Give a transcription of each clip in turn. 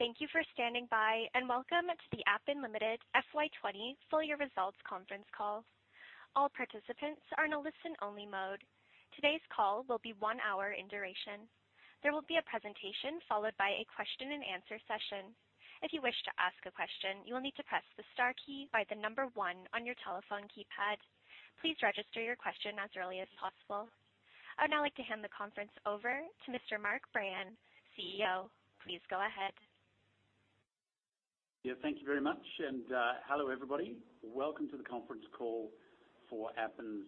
Thank you for standing by. Welcome to the Appen Limited FY 2020 full-year results conference call. All participants are in a listen-only mode. Today's call will be one hour in duration. There will be a presentation followed by a question and answer session. If you wish to ask a question, you will need to press the star key by the number one on your telephone keypad. Please register your question as early as possible. I would now like to hand the conference over to Mr. Mark Brayan, CEO. Please go ahead. Yeah. Thank you very much. Hello, everybody. Welcome to the conference call for Appen's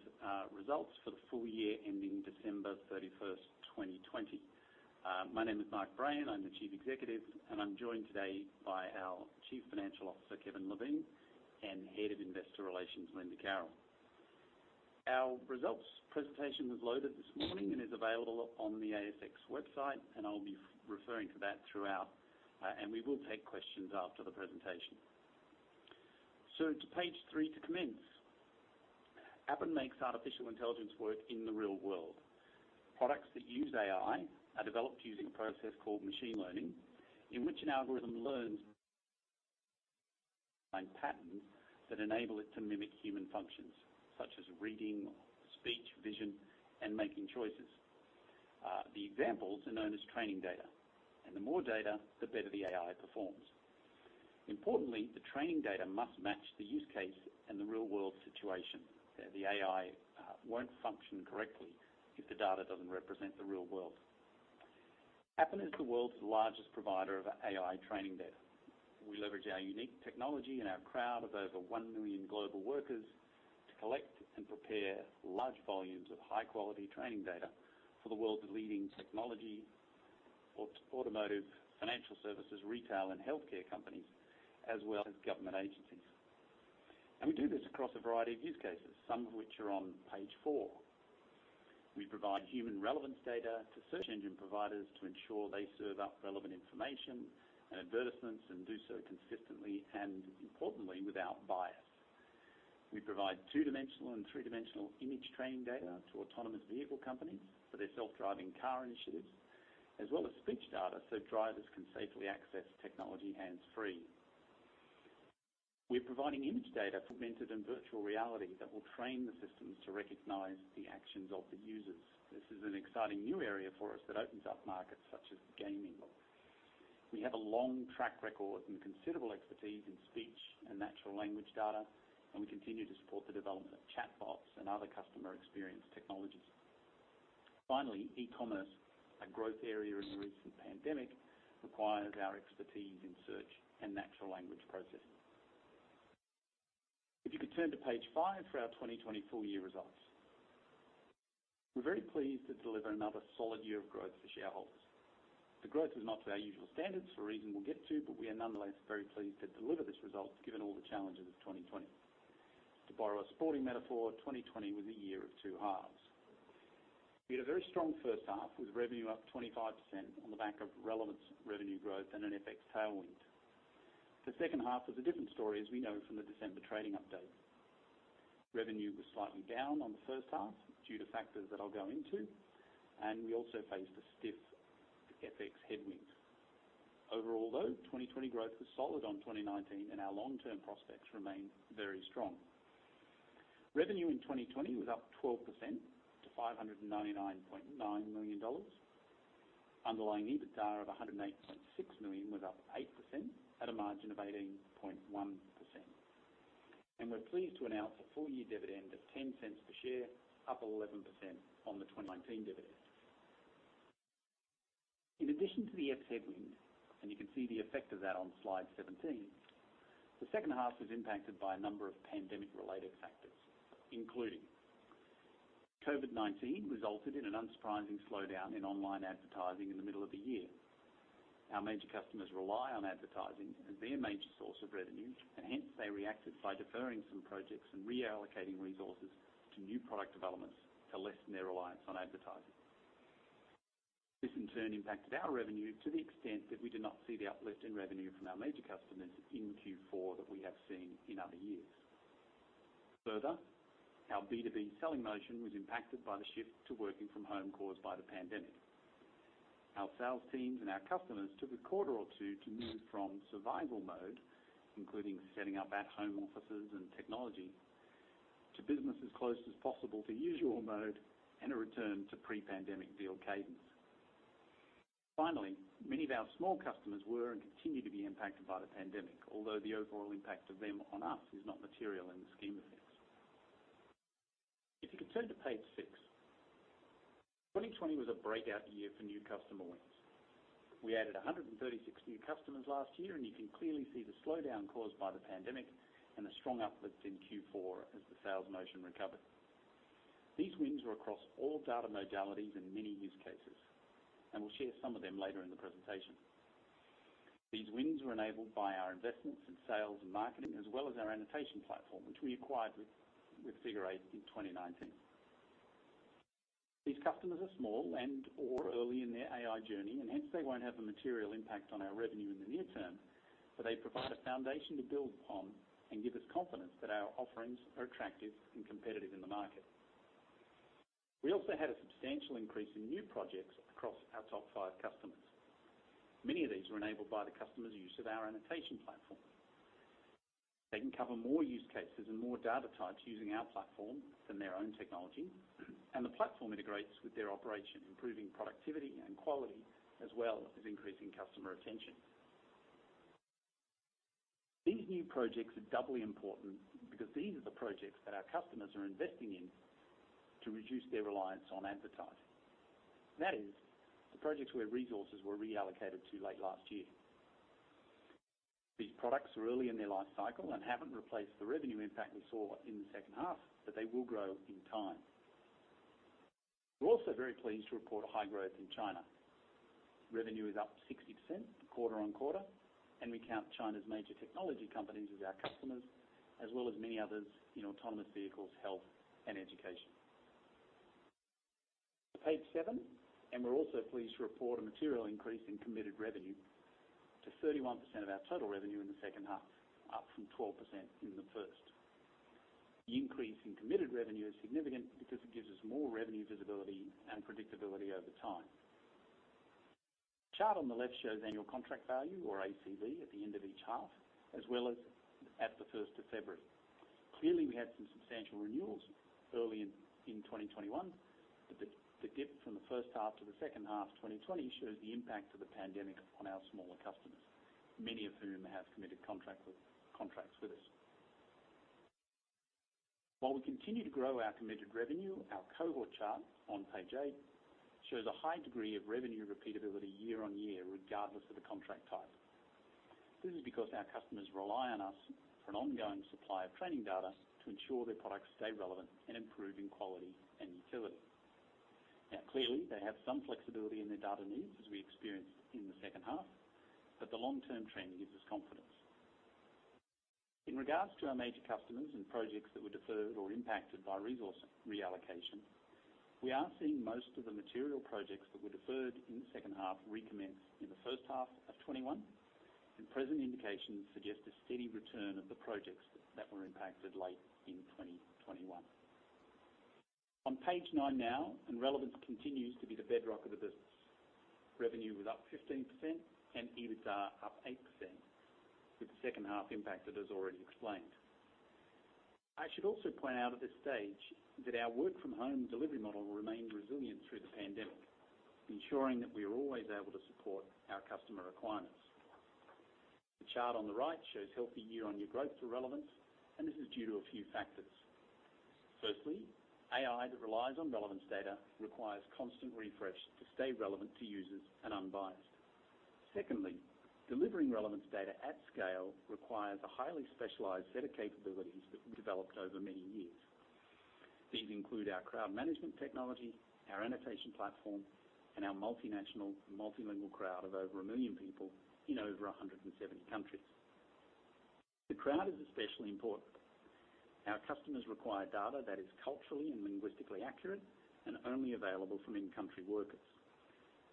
results for the full year ending December 31st, 2020. My name is Mark Brayan, I'm the Chief Executive. I'm joined today by our Chief Financial Officer, Kevin Levine, and Head of Investor Relations, Linda Carroll. Our results presentation was loaded this morning. It is available on the ASX website. I'll be referring to that throughout. We will take questions after the presentation. To page three to commence. Appen makes artificial intelligence work in the real world. Products that use AI are developed using a process called machine learning, in which an algorithm learns patterns that enable it to mimic human functions, such as reading, speech, vision, and making choices. The examples are known as training data. The more data, the better the AI performs. Importantly, the training data must match the use case and the real-world situation. The AI won't function correctly if the data doesn't represent the real world. Appen is the world's largest provider of AI training data. We leverage our unique technology and our crowd of over 1 million global workers to collect and prepare large volumes of high-quality training data for the world's leading technology, automotive, financial services, retail, and healthcare companies, as well as government agencies. We do this across a variety of use cases, some of which are on page four. We provide human relevance data to search engine providers to ensure they serve up relevant information and advertisements and do so consistently and, importantly, without bias. We provide two-dimensional and three-dimensional image training data to autonomous vehicle companies for their self-driving car initiatives, as well as speech data so drivers can safely access technology hands-free. We're providing image data for augmented and virtual reality that will train the systems to recognize the actions of the users. This is an exciting new area for us that opens up markets such as gaming. We have a long track record and considerable expertise in speech and natural language data, and we continue to support the development of chatbots and other customer experience technologies. Finally, e-commerce, a growth area in the recent pandemic, requires our expertise in search and natural language processing. If you could turn to page five for our 2020 full-year results. We're very pleased to deliver another solid year of growth for shareholders. The growth was not to our usual standards for a reason we'll get to, but we are nonetheless very pleased to deliver this result given all the challenges of 2020. To borrow a sporting metaphor, 2020 was a year of two halves. We had a very strong first half with revenue up 25% on the back of relevance revenue growth and an FX tailwind. The second half was a different story as we know from the December trading update. Revenue was slightly down on the first half due to factors that I'll go into. We also faced a stiff FX headwind. Overall, though, 2020 growth was solid on 2019. Our long-term prospects remain very strong. Revenue in 2020 was up 12% to 599.9 million dollars. Underlying EBITDA of 108.6 million was up 8% at a margin of 18.1%. We're pleased to announce a full-year dividend of 0.10 per share, up 11% on the 2019 dividend. In addition to the FX headwind, and you can see the effect of that on slide 17, the second half was impacted by a number of pandemic-related factors, including COVID-19 resulted in an unsurprising slowdown in online advertising in the middle of the year. Our major customers rely on advertising as their major source of revenue, and hence they reacted by deferring some projects and reallocating resources to new product developments to lessen their reliance on advertising. This, in turn, impacted our revenue to the extent that we did not see the uplift in revenue from our major customers in Q4 that we have seen in other years. Further, our B2B selling motion was impacted by the shift to working from home caused by the pandemic. Our sales teams and our customers took a quarter or two to move from survival mode, including setting up at-home offices and technology, to business as close as possible to usual mode and a return to pre-pandemic deal cadence. Finally, many of our small customers were and continue to be impacted by the pandemic, although the overall impact of them on us is not material in the scheme of things. If you could turn to page six. 2020 was a breakout year for new customer wins. We added 136 new customers last year, and you can clearly see the slowdown caused by the pandemic and the strong uplift in Q4 as the sales motion recovered. These wins were across all data modalities and many use cases, and we'll share some of them later in the presentation. These wins were enabled by our investments in sales and marketing, as well as our annotation platform, which we acquired with Figure Eight in 2019. These customers are small and/or early in their AI journey, and hence they won't have a material impact on our revenue in the near term, but they provide a foundation to build upon and give us confidence that our offerings are attractive and competitive in the market. We also had a substantial increase in new projects across our top five customers. Many of these were enabled by the customer's use of our annotation platform. They can cover more use cases and more data types using our platform than their own technology, and the platform integrates with their operation, improving productivity and quality, as well as increasing customer retention. These new projects are doubly important because these are the projects that our customers are investing in to reduce their reliance on advertising. That is, the projects where resources were reallocated to late last year. These products are early in their life cycle and haven't replaced the revenue impact we saw in the second half, but they will grow in time. We're also very pleased to report high growth in China. Revenue is up 60% quarter on quarter, and we count China's major technology companies as our customers, as well as many others in autonomous vehicles, health, and education. To page seven, and we're also pleased to report a material increase in committed revenue to 31% of our total revenue in the second half, up from 12% in the first. The increase in committed revenue is significant because it gives us more revenue visibility and predictability over time. The chart on the left shows annual contract value or ACV at the end of each half, as well as at the 1st of February. Clearly, we had some substantial renewals early in 2021, but the dip from the first half to the second half 2020 shows the impact of the pandemic on our smaller customers, many of whom have committed contracts with us. While we continue to grow our committed revenue, our cohort chart on page eight shows a high degree of revenue repeatability year-on-year, regardless of the contract type. This is because our customers rely on us for an ongoing supply of training data to ensure their products stay relevant and improve in quality and utility. Now, clearly, they have some flexibility in their data needs as we experienced in the second half, but the long-term trend gives us confidence. In regards to our major customers and projects that were deferred or impacted by resource reallocation, we are seeing most of the material projects that were deferred in the second half recommence in the first half of 2021. Present indications suggest a steady return of the projects that were impacted late in 2021. On page nine now, relevance continues to be the bedrock of the business. Revenue was up 15%, EBITDA up 8%, with the second-half impact that is already explained. I should also point out at this stage that our work-from-home delivery model remained resilient through the pandemic, ensuring that we are always able to support our customer requirements. The chart on the right shows healthy year-on-year growth to relevance. This is due to a few factors. Firstly, AI that relies on relevance data requires constant refresh to stay relevant to users and unbiased. Secondly, delivering relevance data at scale requires a highly specialized set of capabilities that we've developed over many years. These include our crowd management technology, our annotation platform, and our multinational multilingual crowd of over 1 million people in over 170 countries. The crowd is especially important. Our customers require data that is culturally and linguistically accurate and only available from in-country workers.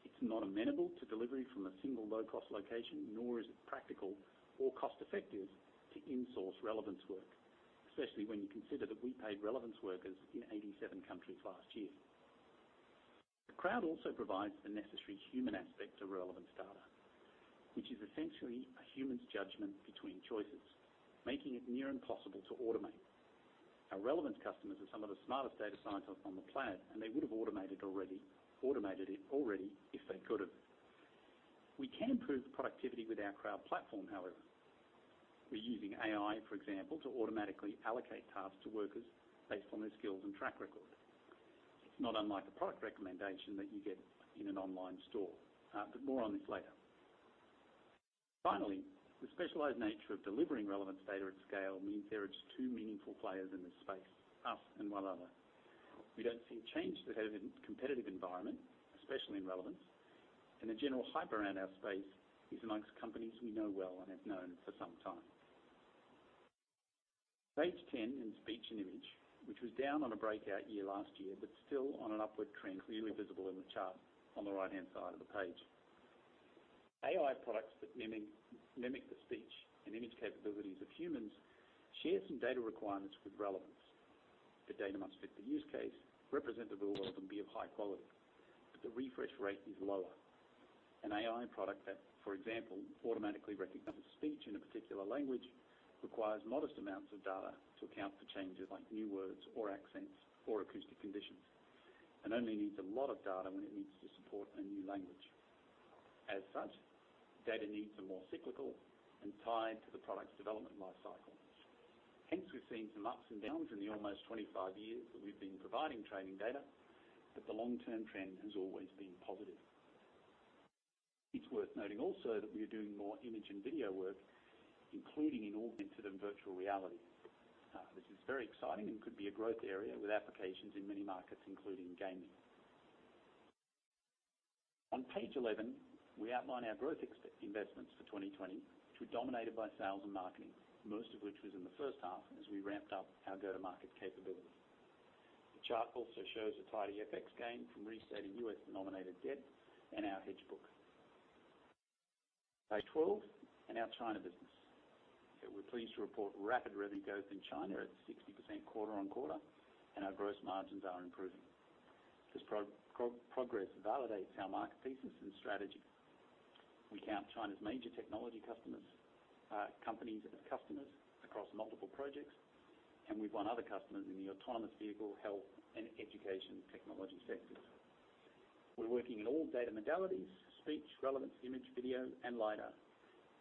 It's not amenable to delivery from a single low-cost location, nor is it practical or cost-effective to in-source relevance work, especially when you consider that we paid relevance workers in 87 countries last year. The crowd also provides the necessary human aspect to relevance data, which is essentially a human's judgment between choices, making it near impossible to automate. Our relevance customers are some of the smartest data scientists on the planet, and they would have automated it already if they could have. We can improve productivity with our crowd platform, however. We're using AI, for example, to automatically allocate tasks to workers based on their skills and track record. It's not unlike a product recommendation that you get in an online store. More on this later. The specialized nature of delivering relevance data at scale means there are just two meaningful players in this space, us and one other. We don't see change to the competitive environment, especially in relevance, and the general hype around our space is amongst companies we know well and have known for some time. Page 10 in speech and image, which was down on a breakout year last year, but still on an upward trend, clearly visible in the chart on the right-hand side of the page. AI products that mimic the speech and image capabilities of humans share some data requirements with relevance. The data must fit the use case, represent the world, and be of high quality. The refresh rate is lower. An AI product that, for example, automatically recognizes speech in a particular language, requires modest amounts of data to account for changes like new words or accents or acoustic conditions, and only needs a lot of data when it needs to support a new language. As such, data needs are more cyclical and tied to the product's development life cycle. Hence, we've seen some ups and downs in the almost 25 years that we've been providing training data, but the long-term trend has always been positive. It's worth noting also that we are doing more image and video work, including in augmented and virtual reality. This is very exciting and could be a growth area with applications in many markets, including gaming. On page 11, we outline our growth investments for 2020, which were dominated by sales and marketing, most of which was in the first half as we ramped up our go-to-market capability. The chart also shows a tidy FX gain from restating U.S.-denominated debt and our hedge book. On page 12, in our China business, we're pleased to report rapid revenue growth in China at 60% quarter-on-quarter. Our gross margins are improving. This progress validates our market thesis and strategy. We count China's major technology companies as customers across multiple projects. We've won other customers in the autonomous vehicle, health, and education technology sectors. We're working in all data modalities, speech, relevance, image, video, and lidar.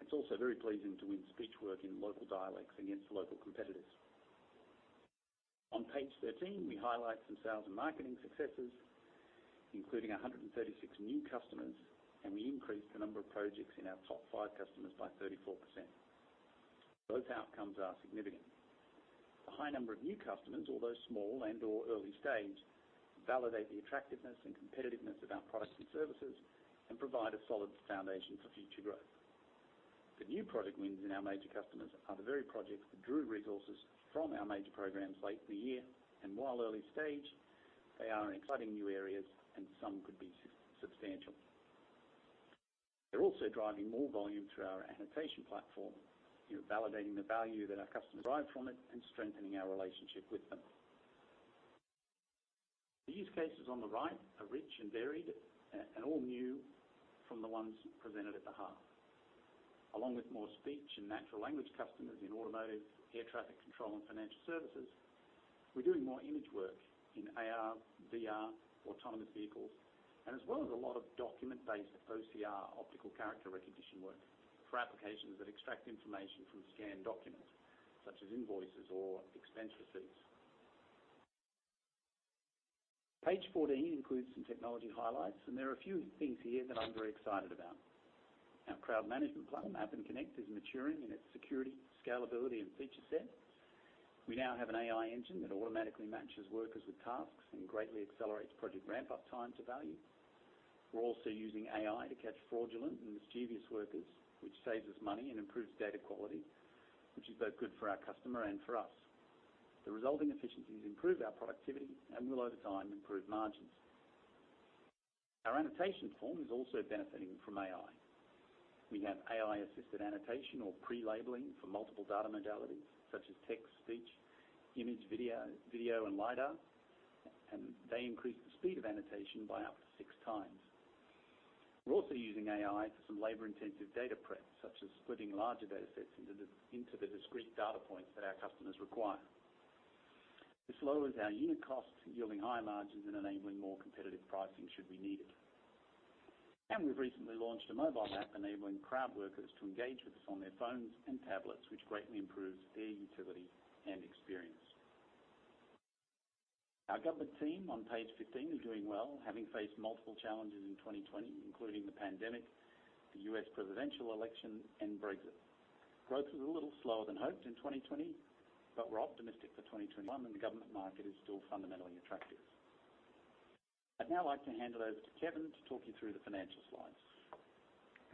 It's also very pleasing to win speech work in local dialects against local competitors. On page 13, we highlight some sales and marketing successes, including 136 new customers, and we increased the number of projects in our top five customers by 34%. Both outcomes are significant. The high number of new customers, although small and/or early stage, validate the attractiveness and competitiveness of our products and services and provide a solid foundation for future growth. The new product wins in our major customers are the very projects that drew resources from our major programs late in the year. While early stage, they are in exciting new areas and some could be substantial. They're also driving more volume through our annotation platform, validating the value that our customers derive from it and strengthening our relationship with them. The use cases on the right are rich and varied and all new from the ones presented at the half. Along with more speech and natural language customers in automotive, air traffic control, and financial services, we're doing more image work in AR, VR, autonomous vehicles, and as well as a lot of document-based OCR, optical character recognition work, for applications that extract information from scanned documents, such as invoices or expense receipts. Page 14 includes some technology highlights. There are a few things here that I'm very excited about. Our crowd management platform, Appen Connect, is maturing in its security, scalability, and feature set. We now have an AI engine that automatically matches workers with tasks and greatly accelerates project ramp-up time to value. We're also using AI to catch fraudulent and mischievous workers, which saves us money and improves data quality, which is both good for our customer and for us. The resulting efficiencies improve our productivity and will, over time, improve margins. Our annotation platform is also benefiting from AI. We have AI-assisted annotation or prelabeling for multiple data modalities such as text, speech, image, video, and lidar. They increase the speed of annotation by up to six times. We're also using AI for some labor-intensive data prep, such as splitting larger datasets into the discrete data points that our customers require. This lowers our unit costs, yielding higher margins and enabling more competitive pricing should we need it. We've recently launched a mobile app enabling crowd workers to engage with us on their phones and tablets, which greatly improves their utility and experience. Our government team on page 15 is doing well, having faced multiple challenges in 2020, including the pandemic, the U.S. presidential election, and Brexit. Growth was a little slower than hoped in 2020. We're optimistic for 2021. The government market is still fundamentally attractive. I'd now like to hand it over to Kevin to talk you through the financial slides.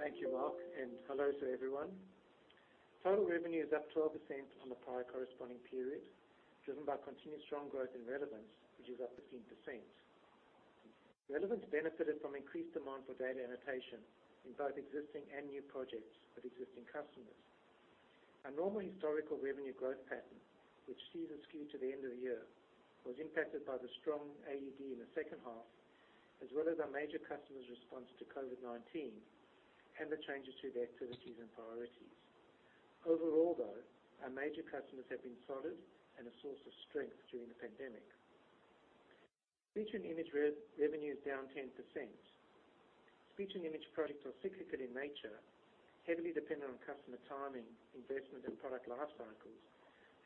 Thank you, Mark, and hello to everyone. Total revenue is up 12% on the prior corresponding period, driven by continued strong growth in relevance, which is up 15%. Relevance benefited from increased demand for data annotation in both existing and new projects with existing customers. Our normal historical revenue growth pattern, which sees us skew to the end of the year, was impacted by the strong AUD in the second half, as well as our major customers' response to COVID-19 and the changes to their activities and priorities. Overall, though, our major customers have been solid and a source of strength during the pandemic. Speech and image revenue is down 10%. Speech and image products are cyclical in nature, heavily dependent on customer timing, investment and product life cycles,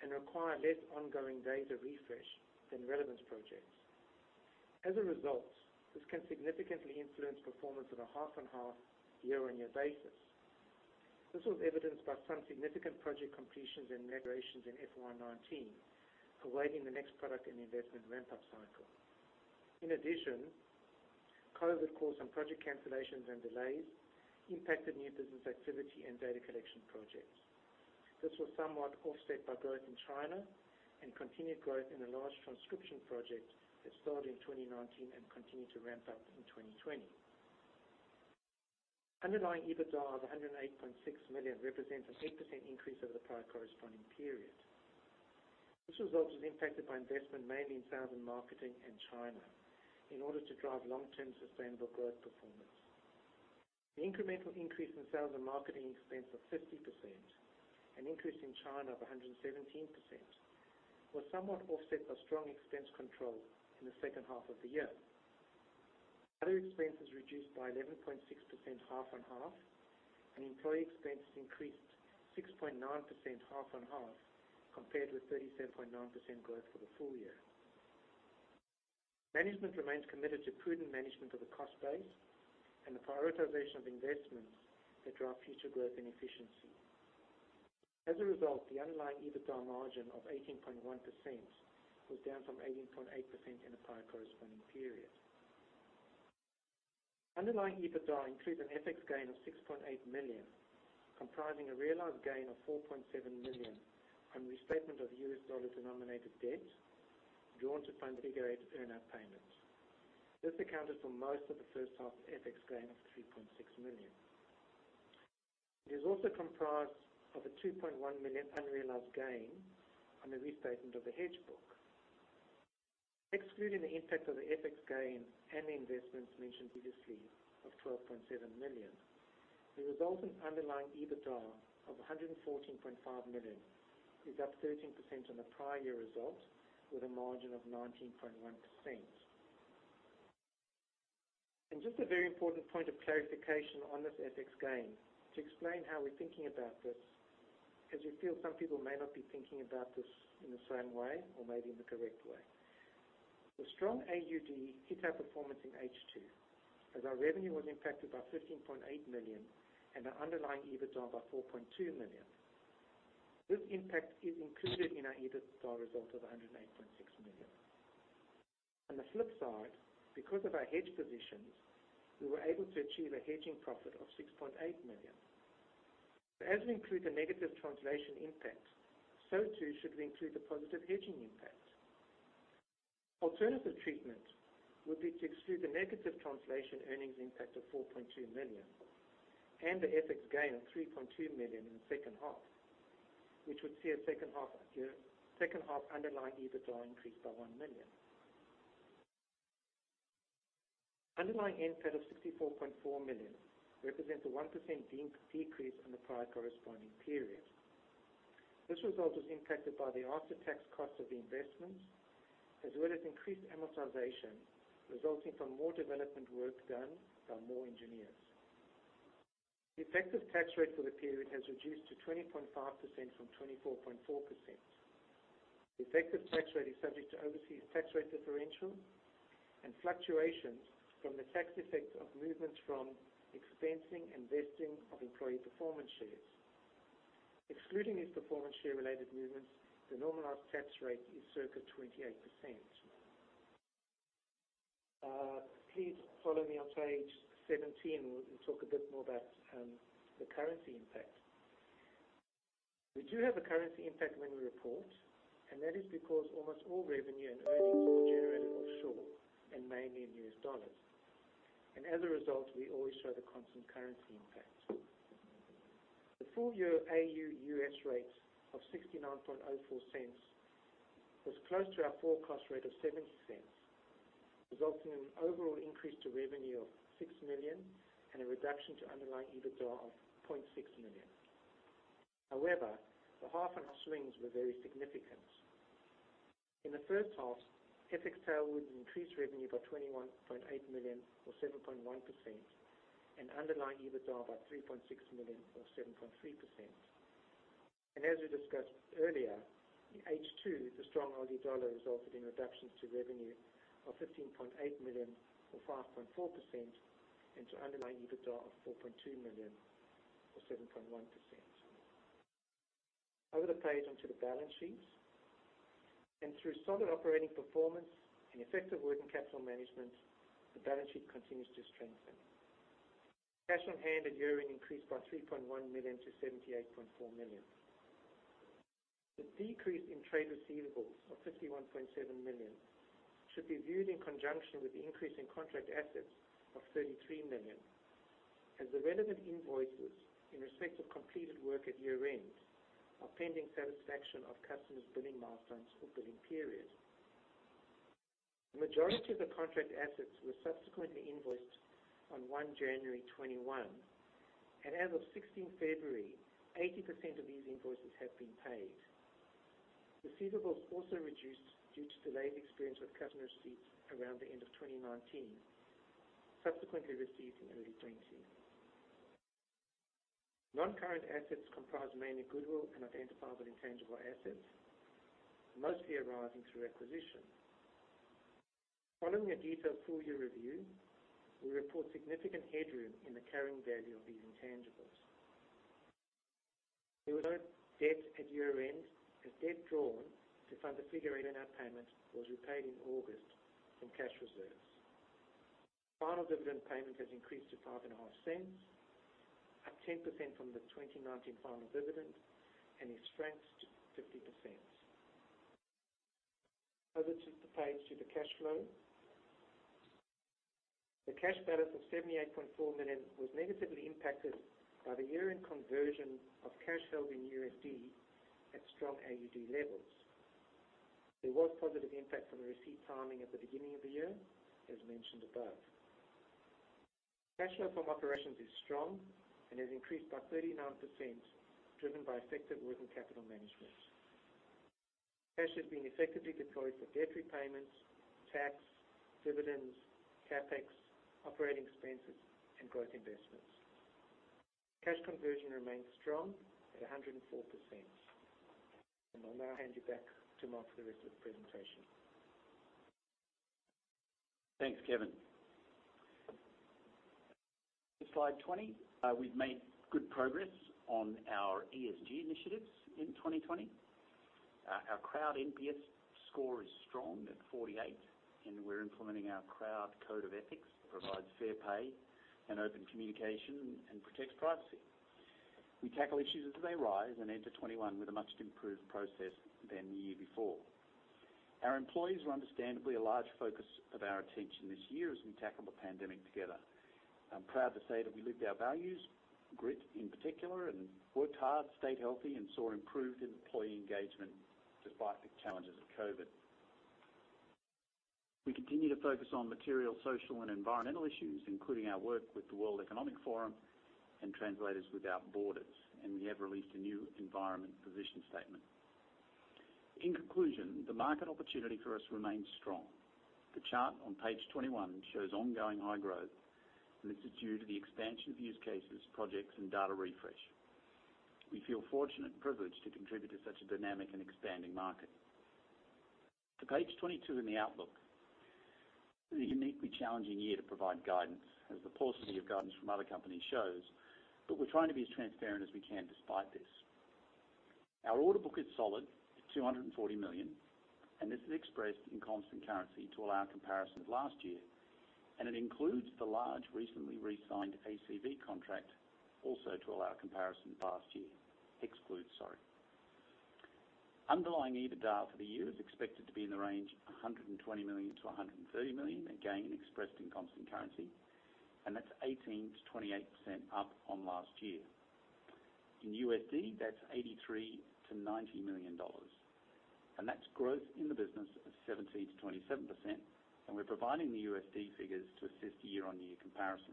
and require less ongoing data refresh than relevance projects. As a result, this can significantly influence performance on a half-on-half, year-on-year basis. This was evidenced by some significant project completions and negotiations in FY 2019, awaiting the next product and investment ramp-up cycle. In addition, COVID-19 caused some project cancellations and delays impacted new business activity and data collection projects. This was somewhat offset by growth in China and continued growth in a large transcription project that started in 2019 and continued to ramp up in 2020. Underlying EBITDA of 108.6 million represents an 8% increase over the prior corresponding period. This result was impacted by investment made in sales and marketing in China in order to drive long-term sustainable growth performance. The incremental increase in sales and marketing expense of 50%, an increase in China of 117%, was somewhat offset by strong expense control in the second half of the year. Other expenses reduced by 11.6% half-on-half, and employee expenses increased 6.9% half-on-half, compared with 37.9% growth for the full year. Management remains committed to prudent management of the cost base and the prioritization of investments that drive future growth and efficiency. As a result, the underlying EBITDA margin of 18.1% was down from 18.8% in the prior corresponding period. Underlying EBITDA includes an FX gain of 6.8 million, comprising a realized gain of 4.7 million from restatement of U.S. dollar-denominated debt drawn to fund Figure Eight earn-out payments. This accounted for most of the first-half FX gain of 3.6 million. It is also comprised of an 2.1 million unrealized gain on the restatement of the hedge book. Excluding the impact of the FX gain and the investments mentioned previously of 12.7 million, the resultant underlying EBITDA of 114.5 million is up 13% on the prior year result with a margin of 19.1%. Just a very important point of clarification on this FX gain to explain how we're thinking about this because we feel some people may not be thinking about this in the same way or maybe in the correct way. The strong AUD hit our performance in H2 as our revenue was impacted by 15.8 million and our underlying EBITDA by 4.2 million. This impact is included in our EBITDA result of 108.6 million. On the flip side, because of our hedge positions, we were able to achieve a hedging profit of 6.8 million. As we include the negative translation impact, so too should we include the positive hedging impact. Alternative treatment would be to exclude the negative translation earnings impact of 4.2 million and the FX gain of 3.2 million in the second half, which would see a second-half underlying EBITDA increase by 1 million. Underlying NPAT of 64.4 million represents a 1% decrease on the prior corresponding period. This result was impacted by the after-tax cost of the investments as well as increased amortization resulting from more development work done by more engineers. The effective tax rate for the period has reduced to 20.5% from 24.4%. The effective tax rate is subject to overseas tax rate differential and fluctuations from the tax effect of movements from expensing and vesting of employee performance shares. Excluding these performance share-related movements, the normalized tax rate is circa 28%. Please follow me on page 17. We'll talk a bit more about the currency impact. We do have a currency impact when we report, that is because almost all revenue and earnings are generated offshore and mainly in U.S. dollars. As a result, we always show the constant currency impact. The full year AU/U.S. rates of 0.6904 was close to our forecast rate of 0.70, resulting in an overall increase to revenue of 6 million and a reduction to underlying EBITDA of 0.6 million. However, the half-on-half swings were very significant. In the first half, FX tailwinds increased revenue by 21.8 million or 7.1% and underlying EBITDA by 3.6 million or 7.3%. As we discussed earlier, in H2, the strong Aussie dollar resulted in reductions to revenue of 15.8 million or 5.4% and to underlying EBITDA of 4.2 million or 7.1%. Over the page onto the balance sheets. Through solid operating performance and effective working capital management, the balance sheet continues to strengthen. Cash on hand at year-end increased by 3.1 million to 78.4 million. The decrease in trade receivables of 51.7 million should be viewed in conjunction with the increase in contract assets of 33 million as the relevant invoices in respect of completed work at year-end are pending satisfaction of customers' billing milestones or billing periods. The majority of the contract assets were subsequently invoiced on January 1, 2021, and as of February 16, 80% of these invoices have been paid. Receivables also reduced due to delays experienced with customer receipts around the end of 2019, subsequently received in early 2020. Non-current assets comprise mainly goodwill and identifiable intangible assets, mostly arising through acquisition. Following a detailed full-year review, we report significant headroom in the carrying value of these intangibles. There was no debt at year-end as debt drawn to fund the Figure Eight net payment was repaid in August from cash reserves. Final dividend payment has increased to 0.055, up 10% from the 2019 final dividend, and is franked to 50%. Over to the page to the cash flow. The cash balance of 78.4 million was negatively impacted by the year-end conversion of cash held in USD at strong AUD levels. There was positive impact from the receipt timing at the beginning of the year, as mentioned above. Cash flow from operations is strong and has increased by 39%, driven by effective working capital management. Cash has been effectively deployed for debt repayments, tax, dividends, CapEx, operating expenses, and growth investments. Cash conversion remains strong at 104%. I'll now hand you back to Mark for the rest of the presentation. Thanks, Kevin. To slide 20. We've made good progress on our ESG initiatives in 2020. Our crowd NPS score is strong at 48, and we're implementing our crowd code of ethics, provides fair pay and open communication and protects privacy. We tackle issues as they rise and enter 2021 with a much improved process than the year before. Our employees were understandably a large focus of our attention this year as we tackled the pandemic together. I'm proud to say that we lived our values, grit in particular, and worked hard, stayed healthy, and saw improved employee engagement despite the challenges of COVID. We continue to focus on material, social, and environmental issues, including our work with the World Economic Forum and Translators Without Borders, and we have released a new environment position statement. In conclusion, the market opportunity for us remains strong. The chart on page 21 shows ongoing high growth. This is due to the expansion of use cases, projects, and data refresh. We feel fortunate and privileged to contribute to such a dynamic and expanding market. To page 22 and the outlook. It's a uniquely challenging year to provide guidance, as the paucity of guidance from other companies shows, but we're trying to be as transparent as we can despite this. Our order book is solid at 240 million. This is expressed in constant currency to allow comparison with last year. It includes the large, recently re-signed ACV contract also to allow comparison with last year. Excludes, sorry. Underlying EBITDA for the year is expected to be in the range of 120 million-130 million, again expressed in constant currency, and that's 18%-28% up on last year. In USD, that's $83 million-$90 million. That's growth in the business of 17%-27%, and we're providing the USD figures to assist year-on-year comparison.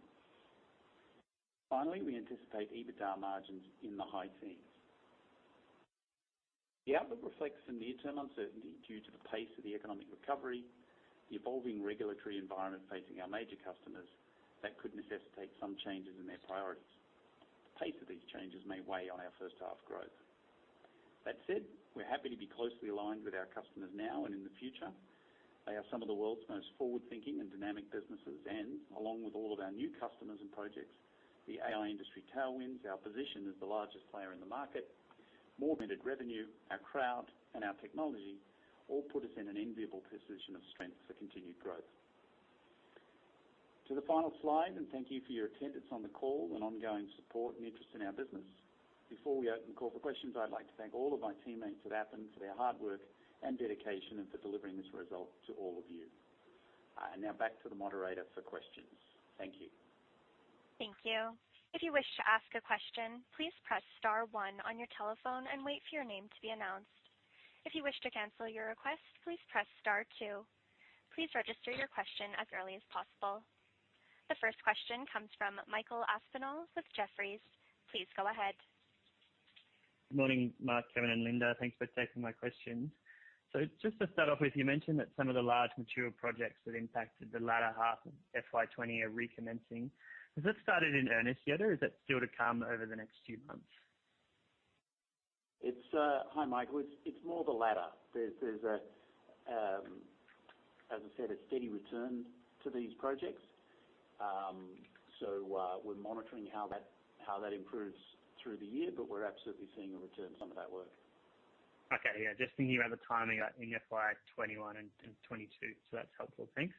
Finally, we anticipate EBITDA margins in the high teens. The outlook reflects some near-term uncertainty due to the pace of the economic recovery, the evolving regulatory environment facing our major customers that could necessitate some changes in their priorities. The pace of these changes may weigh on our first-half growth. That said, we're happy to be closely aligned with our customers now and in the future. They are some of the world's most forward-thinking and dynamic businesses, and along with all of our new customers and projects, the AI industry tailwinds our position as the largest player in the market. More committed revenue, our crowd, and our technology all put us in an enviable position of strength for continued growth. To the final slide, and thank you for your attendance on the call and ongoing support and interest in our business. Before we open the call for questions, I'd like to thank all of my teammates at Appen for their hard work and dedication and for delivering this result to all of you. Now back to the moderator for questions. Thank you. Thank you. If you wish to ask a question, please press star one on your telephone and wait for your name to be announced. If you wish to cancel your request, please press star two. Please register your question as early as possible. The first question comes from Michael Aspinall with Jefferies. Please go ahead. Good morning, Mark, Kevin, and Linda. Thanks for taking my questions. Just to start off with, you mentioned that some of the large mature projects that impacted the latter half of FY 2020 are recommencing. Has this started in earnest yet, or is that still to come over the next few months? Hi, Michael. It's more the latter. There's, as I said, a steady return to these projects. We're monitoring how that improves through the year, but we're absolutely seeing a return to some of that work. Okay. Yeah, just thinking about the timing in FY 2021 and 2022, that's helpful. Thanks.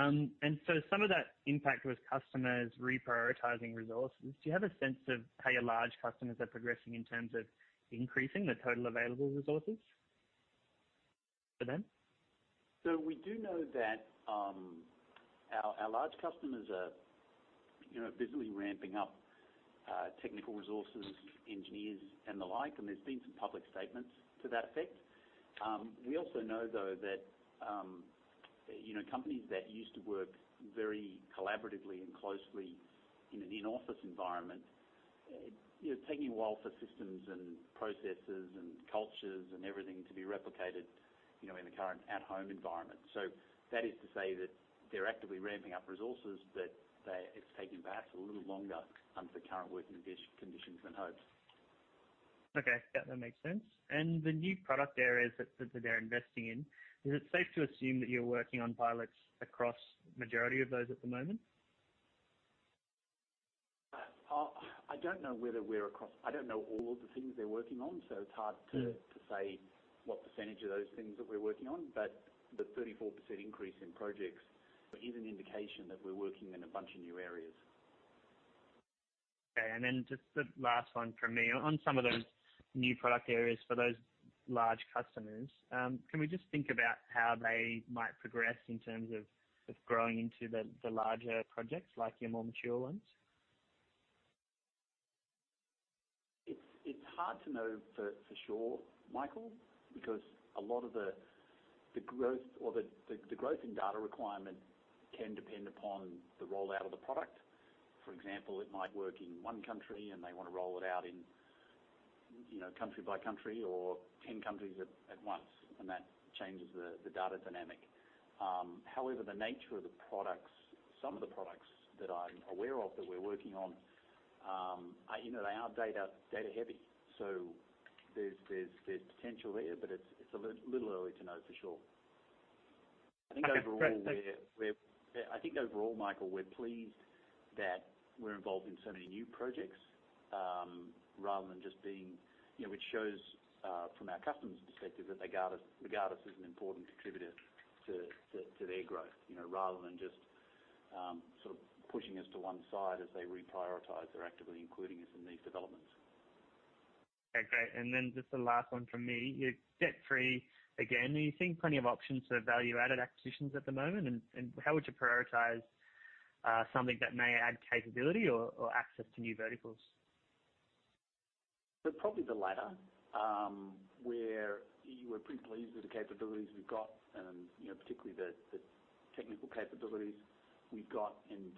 Some of that impact was customers reprioritizing resources. Do you have a sense of how your large customers are progressing in terms of increasing the total available resources for them? We do know that our large customers are visibly ramping up technical resources, engineers, and the like, and there's been some public statements to that effect. We also know, though, that companies that used to work very collaboratively and closely in an in-office environment, it's taking a while for systems and processes and cultures and everything to be replicated in the current at-home environment. That is to say that they're actively ramping up resources, but it's taking perhaps a little longer under the current working conditions than hoped. Okay. Yeah, that makes sense. The new product areas that they're investing in, is it safe to assume that you're working on pilots across the majority of those at the moment? I don't know all of the things they're working on, it's hard to say what percentage of those things that we're working on. The 34% increase in projects is an indication that we're working in a bunch of new areas. Okay, just the last one from me. On some of those new product areas for those large customers, can we just think about how they might progress in terms of growing into the larger projects like your more mature ones? It's hard to know for sure, Michael, because a lot of the growth in data requirement can depend upon the rollout of the product. For example, it might work in one country and they want to roll it out country by country or 10 countries at once, and that changes the data dynamic. However, the nature of some of the products that I'm aware of that we're working on are data heavy. There's potential there, but it's a little early to know for sure. Okay, great. Thanks. I think overall, Michael, we're pleased that we're involved in so many new projects rather than just being. Which shows from our customers' perspective that they regard us as an important contributor to their growth rather than just sort of pushing us to one side as they reprioritize. They're actively including us in these developments. Okay, great. Just the last one from me. You're debt-free again. Are you seeing plenty of options for value-added acquisitions at the moment? How would you prioritize something that may add capability or access to new verticals? Probably the latter, where we're pretty pleased with the capabilities we've got and particularly the technical capabilities we've got and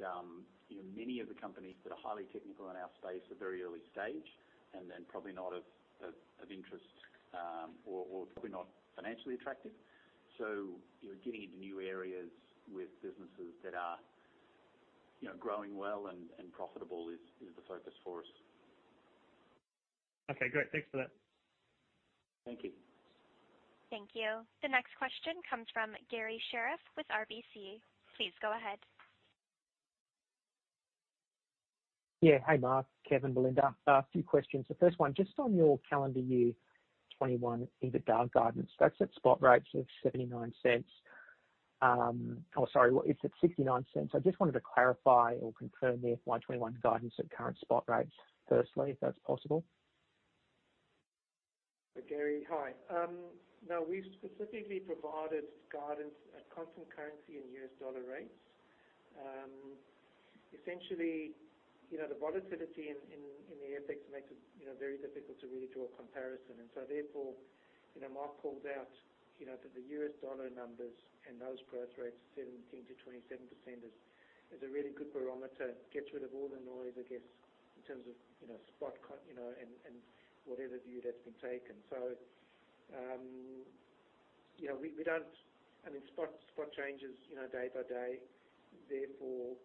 many of the companies that are highly technical in our space are very early stage and then probably not of interest or probably not financially attractive. Getting into new areas with businesses that are growing well and profitable is the focus for us. Okay, great. Thanks for that. Thank you. Thank you. The next question comes from Garry Sherriff with RBC Capital Markets. Please go ahead. Yeah. Hi, Mark, Kevin, Belinda, a few questions. The first one, just on your calendar year 2021 EBITDA guidance, that's at spot rates of 0.79. Sorry, it's at 0.69. I just wanted to clarify or confirm the FY 2021 guidance at current spot rates firstly, if that's possible. Garry, hi. No, we've specifically provided guidance at constant currency and U.S. dollar rates. Essentially, the volatility in the FX makes it very difficult to really draw a comparison. Therefore, Mark pulled out that the U.S. dollar numbers and those growth rates 17%-27% is a really good barometer. Gets rid of all the noise, I guess, in terms of spot and whatever view that's been taken. Spot changes day by day, therefore,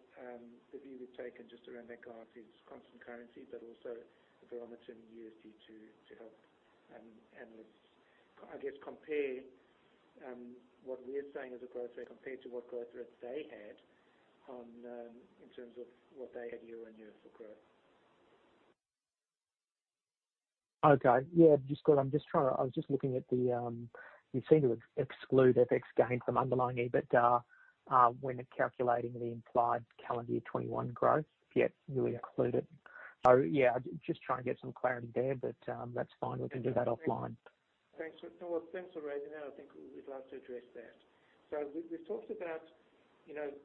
the view we've taken just around that guidance is constant currency, but also a barometer in USD to help analysts, I guess, compare what we're saying as a growth rate compared to what growth rates they had in terms of what they had year-over-year for growth. Okay. Yeah, You seem to have exclude FX gain from underlying EBITDA when calculating the implied calendar year 2021 growth, yet you include it. Yeah, just trying to get some clarity there, but that's fine. We can do that offline. Thanks for raising that. I think we'd like to address that. We've talked about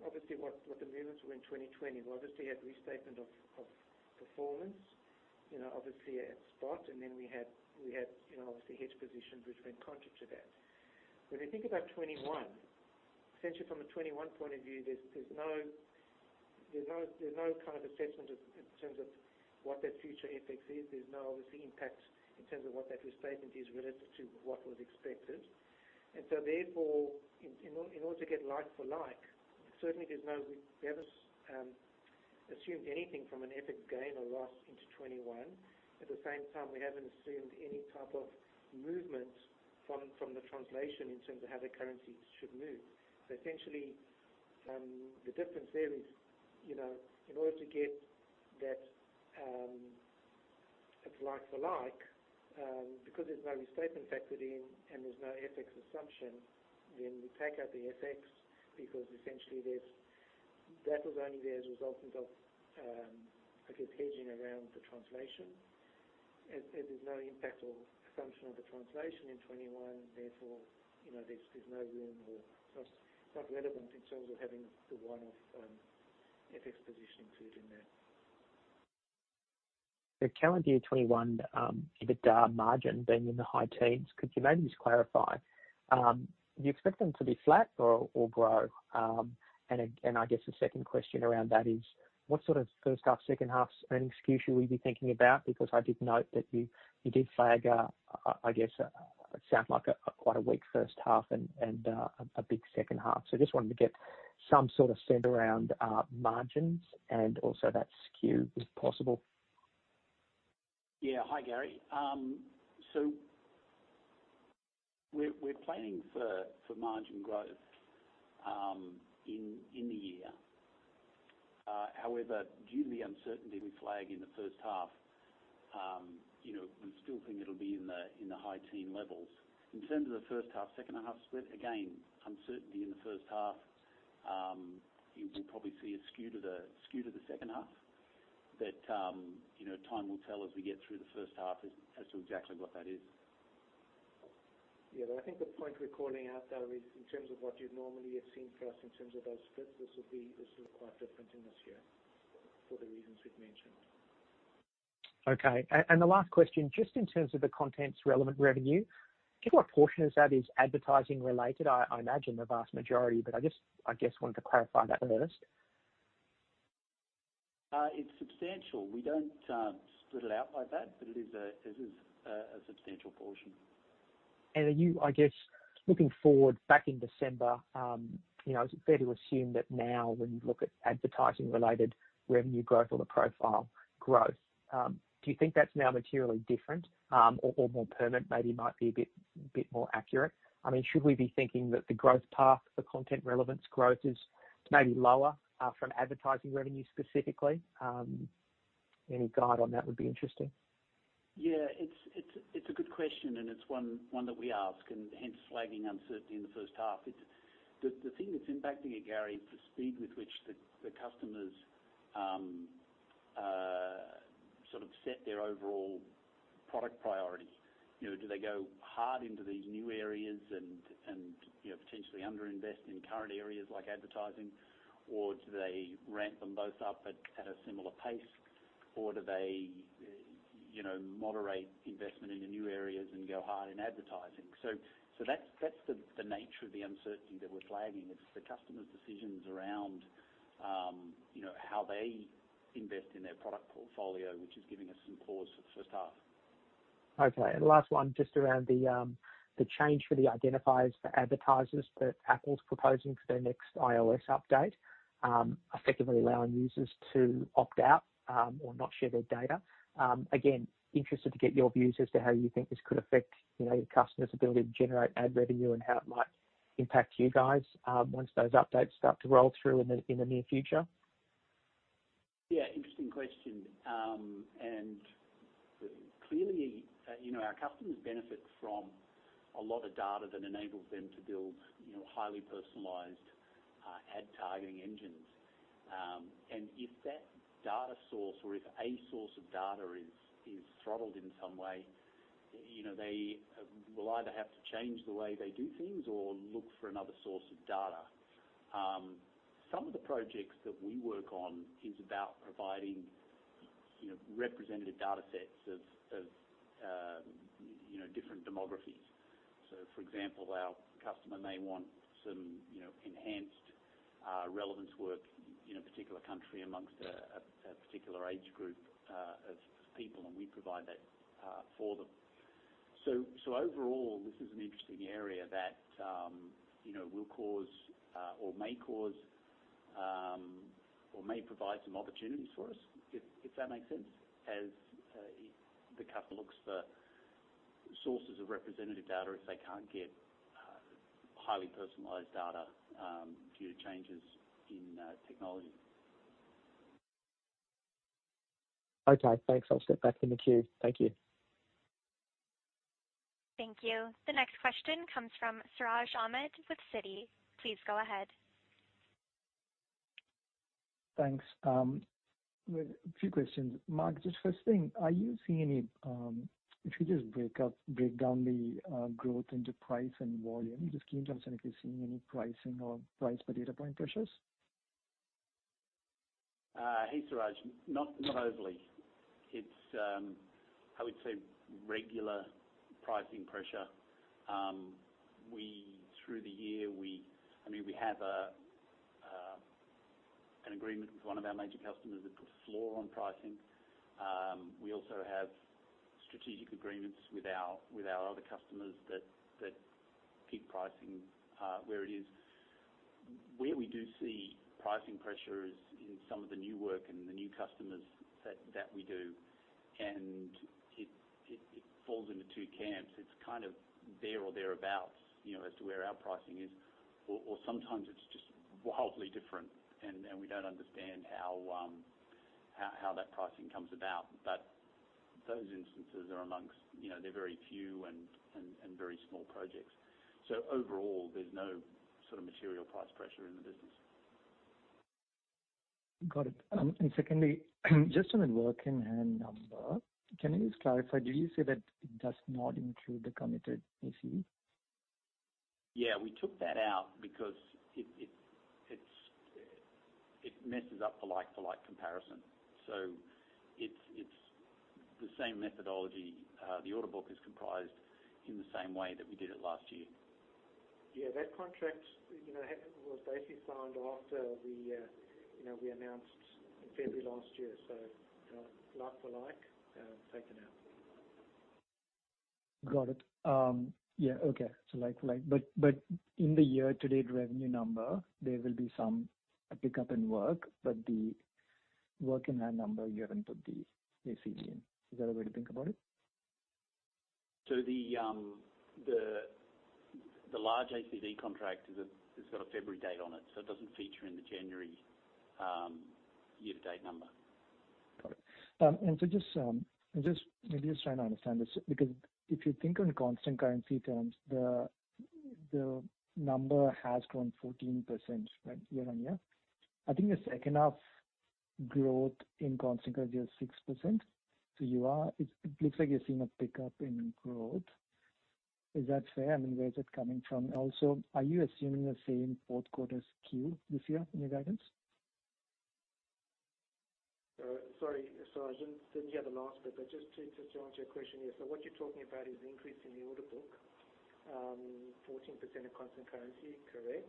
obviously what the movements were in 2020. We obviously had restatement of performance, obviously at spot, and then we had obviously hedge positions which were contrary to that. When we think about 2021, essentially from a 2021 point of view, there's no kind of assessment in terms of what that future FX is. There's no obviously impact in terms of what that restatement is relative to what was expected. Therefore, in order to get like for like, certainly we haven't assumed anything from an FX gain or loss into 2021. At the same time, we haven't assumed any type of movement from the translation in terms of how the currencies should move. Essentially, the difference there is in order to get that like for like, because there's no restatement factored in and there's no FX assumption, then we take out the FX because essentially that was only there as a result of, I guess, hedging around the translation. As there's no impact or assumption of the translation in 2021, therefore, there's no room or it's not relevant in terms of having the one-off FX position included in that. The calendar year 2021 EBITDA margin being in the high teens, could you maybe just clarify, do you expect them to be flat or grow? I guess the second question around that is what sort of first half, second half earning skew should we be thinking about? I did note that you did flag, I guess, it sounds like quite a weak first half and a big second half. Just wanted to get some sort of sense around margins and also that skew, if possible. Yeah. Hi, Garry. We're planning for margin growth in the year. However, due to the uncertainty we flag in the first half, we still think it'll be in the high teen levels. In terms of the first half, second half split, again, uncertainty in the first half. You will probably see a skew to the second half, but time will tell as we get through the first half as to exactly what that is. Yeah, I think the point we're calling out, though, is in terms of what you'd normally have seen for us in terms of those splits, this will be quite different in this year for the reasons we've mentioned. Okay. The last question, just in terms of the contents relevant revenue, do you know what portion of that is advertising related? I imagine the vast majority, but I just wanted to clarify that with us. It's substantial. We don't split it out like that, but it is a substantial portion. Are you, I guess, looking forward back in December, is it fair to assume that now when you look at advertising-related revenue growth or the profile growth, do you think that's now materially different or more permanent maybe might be a bit more accurate? Should we be thinking that the growth path for content relevance growth is maybe lower from advertising revenue specifically? Any guide on that would be interesting. Yeah, it's a good question, and it's one that we ask, and hence flagging uncertainty in the first half. The thing that's impacting it, Garry, is the speed with which the customers sort of set their overall product priority. Do they go hard into these new areas and potentially under-invest in current areas like advertising? Or do they ramp them both up at a similar pace? Or do they moderate investment in the new areas and go hard in advertising? That's the nature of the uncertainty that we're flagging. It's the customer's decisions around how they invest in their product portfolio, which is giving us some pause for the first half. Last one, just around the change for the identifiers for advertisers that Apple's proposing for their next iOS update, effectively allowing users to opt out or not share their data. Interested to get your views as to how you think this could affect your customers' ability to generate ad revenue and how it might impact you guys once those updates start to roll through in the near future. Yeah, interesting question. Clearly, our customers benefit from a lot of data that enables them to build highly personalized ad targeting engines. If that data source or if a source of data is throttled in some way, they will either have to change the way they do things or look for another source of data. Some of the projects that we work on is about providing representative data sets of different demographics. For example, our customer may want some enhanced relevance work in a particular country amongst a particular age group of people, and we provide that for them. Overall, this is an interesting area that will cause or may cause or may provide some opportunities for us, if that makes sense, as the customer looks for sources of representative data, if they can't get highly personalized data due to changes in technology. Okay, thanks. I'll step back in the queue. Thank you. Thank you. The next question comes from Siraj Ahmed with Citi. Please go ahead. Thanks. Few questions. Mark, just first thing, if you just break down the growth into price and volume, just keen to understand if you're seeing any pricing or price per data point pressures. Hey, Siraj. Not overly. It's, I would say, regular pricing pressure. Through the year, we have an agreement with one of our major customers that puts a floor on pricing. We also have strategic agreements with our other customers that keep pricing where it is. Where we do see pricing pressure is in some of the new work and the new customers that we do. It falls into two camps. It's kind of there or thereabouts as to where our pricing is, or sometimes it's just wildly different, and we don't understand how that pricing comes about. Those instances, they're very few and very small projects. Overall, there's no sort of material price pressure in the business. Got it. Secondly, just on the work in hand number, can you just clarify, did you say that it does not include the committed ACV? We took that out because it messes up the like-to-like comparison. It's the same methodology. The order book is comprised in the same way that we did it last year. Yeah, that contract was basically signed after we announced in February last year. Like for like, taken out. Got it. Yeah, okay. Like for like. In the year-to-date revenue number, there will be some pickup in work, but the work in hand number, you haven't put the ACV in. Is that a way to think about it? The large ACV contract has got a February date on it, so it doesn't feature in the January year-to-date number. Got it. Maybe just trying to understand this, because if you think on constant currency terms, the number has grown 14%, right, year-on-year. I think the second half growth in constant currency was 6%. It looks like you're seeing a pickup in growth. Is that fair? Where is it coming from? Are you assuming the same fourth quarter skew this year in your guidance? Sorry, Siraj, didn't hear the last bit. Just to answer your question, yeah. What you're talking about is increase in the order book, 14% in constant currency, correct.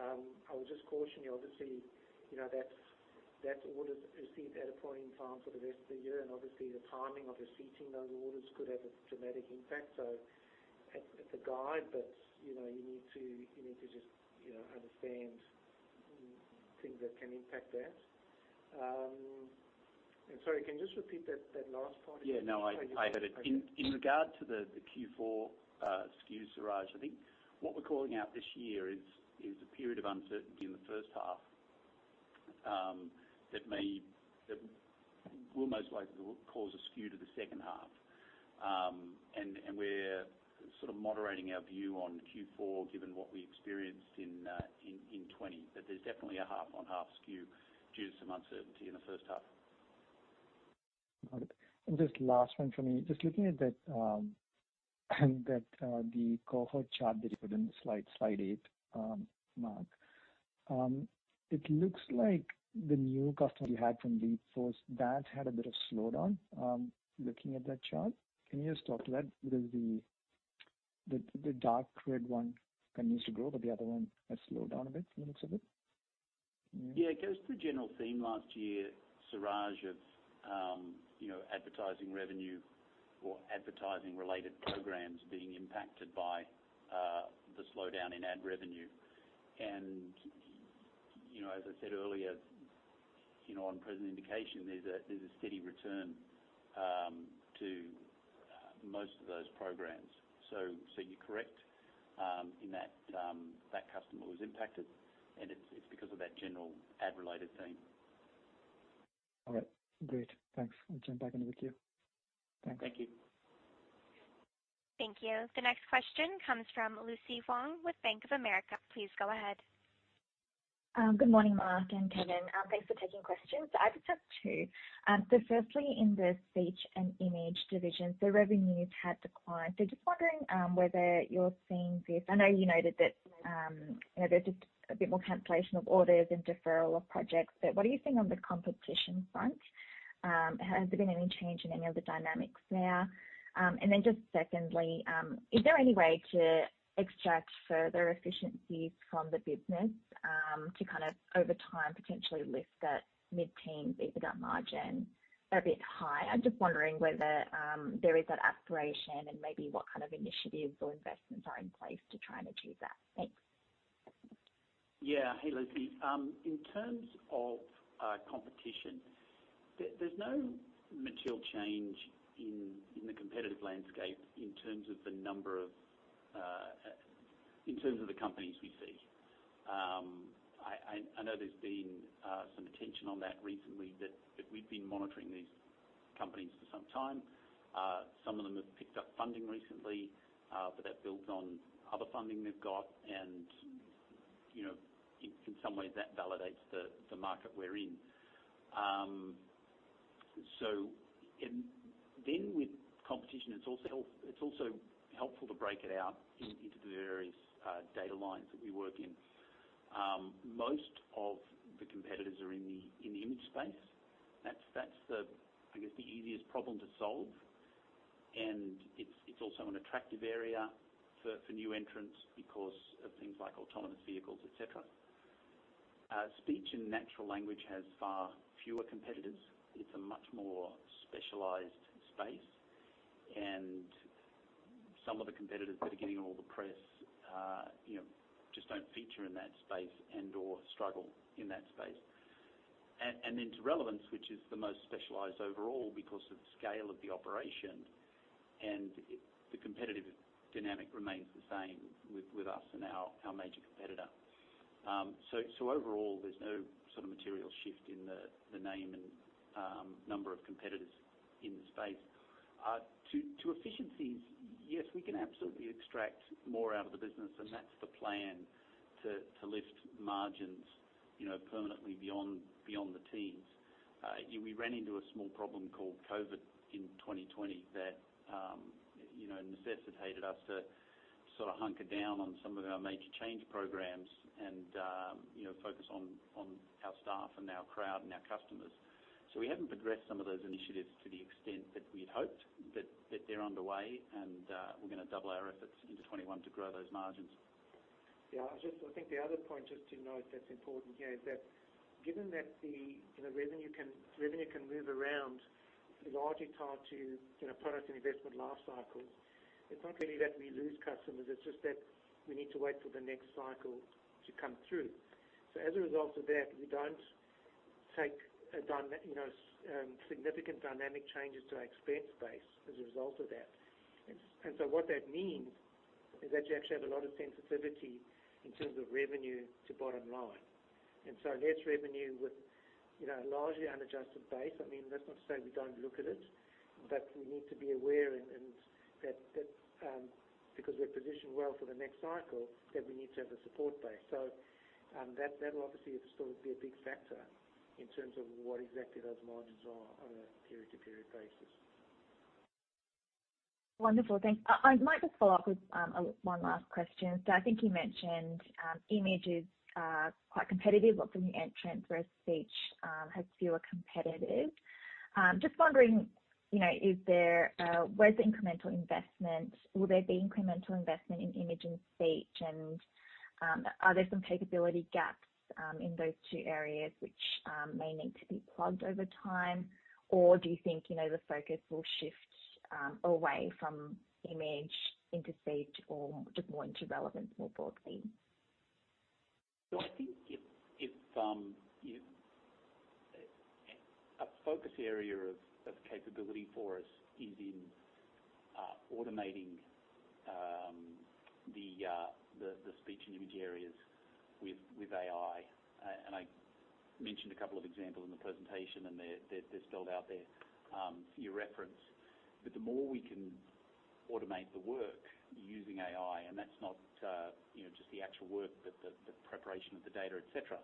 I would just caution you, obviously, that's orders received at a point in time for the rest of the year, and obviously the timing of receiving those orders could have a dramatic impact. It's a guide, but you need to just understand things that can impact that. Sorry, can you just repeat that last part? Yeah, no, I heard it. In regard to the Q4 skew, Siraj, I think what we're calling out this year is a period of uncertainty in the first half. That will most likely cause a skew to the second half. We're sort of moderating our view on Q4, given what we experienced in 2020. There's definitely a half-on-half skew due to some uncertainty in the first half. Got it. Just last one from me. Just looking at the cohort chart that you put in slide eight, Mark. It looks like the new customer you had from Leapforce, that had a bit of slowdown, looking at that chart. Can you just talk to that? The dark red one continues to grow, but the other one has slowed down a bit from the looks of it. Yeah. It goes to the general theme last year, Siraj, of advertising revenue or advertising-related programs being impacted by the slowdown in ad revenue. As I said earlier, on present indication, there's a steady return to most of those programs. You're correct in that customer was impacted, and it's because of that general ad-related theme. All right, great. Thanks. I'll jump back in with you. Thanks. Thank you. Thank you. The next question comes from Lucy Huang with Bank of America. Please go ahead. Good morning, Mark and Kevin. Thanks for taking questions. I just have two. Firstly, in the speech and image division, the revenues have declined. Just wondering whether you're seeing this. I know you noted that there's just a bit more cancellation of orders and deferral of projects, but what do you think on the competition front? Has there been any change in any of the dynamics there? Just secondly, is there any way to extract further efficiencies from the business to kind of over time potentially lift that mid-teen EBITDA margin a bit higher? Just wondering whether there is that aspiration and maybe what kind of initiatives or investments are in place to try and achieve that. Thanks. Yeah. Hey, Lucy. In terms of competition, there's no material change in the competitive landscape in terms of the companies we see. I know there's been some attention on that recently, but we've been monitoring these companies for some time. Some of them have picked up funding recently, but that builds on other funding they've got and in some ways, that validates the market we're in. With competition, it's also helpful to break it out into the various data lines that we work in. Most of the competitors are in the image space. That's the, I guess, the easiest problem to solve. It's also an attractive area for new entrants because of things like autonomous vehicles, et cetera. Speech and natural language has far fewer competitors. It's a much more specialized space. Some of the competitors that are getting all the press just don't feature in that space and/or struggle in that space. Then to relevance, which is the most specialized overall because of the scale of the operation, and the competitive dynamic remains the same with us and our major competitor. Overall, there's no sort of material shift in the name and number of competitors in the space. To efficiencies, yes, we can absolutely extract more out of the business, and that's the plan, to lift margins permanently beyond the teens. We ran into a small problem called COVID in 2020 that necessitated us to sort of hunker down on some of our major change programs and focus on our staff and our crowd and our customers. We haven't progressed some of those initiatives to the extent that we had hoped. They're underway, and we're going to double our efforts into 2021 to grow those margins. Yeah. I think the other point just to note that's important here is that given that the revenue can move around is largely tied to product and investment life cycles. It's not really that we lose customers, it's just that we need to wait for the next cycle to come through. As a result of that, we don't take significant dynamic changes to our expense base as a result of that. What that means is that you actually have a lot of sensitivity in terms of revenue to bottom line. Less revenue with largely unadjusted base. That's not to say we don't look at it, but we need to be aware that because we're positioned well for the next cycle, that we need to have a support base. That will obviously still be a big factor in terms of what exactly those margins are on a period-to-period basis. Wonderful. Thanks. I might just follow up with one last question. I think you mentioned image is quite competitive, lots of new entrants, whereas speech has fewer competitors. Just wondering, will there be incremental investment in image and speech? Are there some capability gaps in those two areas which may need to be plugged over time? Do you think the focus will shift away from image into speech or just more into relevance more broadly? I think a focus area of capability for us is in automating the speech and image areas with AI. I mentioned a couple of examples in the presentation, and they're spelled out there for your reference. The more we can automate the work using AI, and that's not just the actual work, but the preparation of the data, et cetera,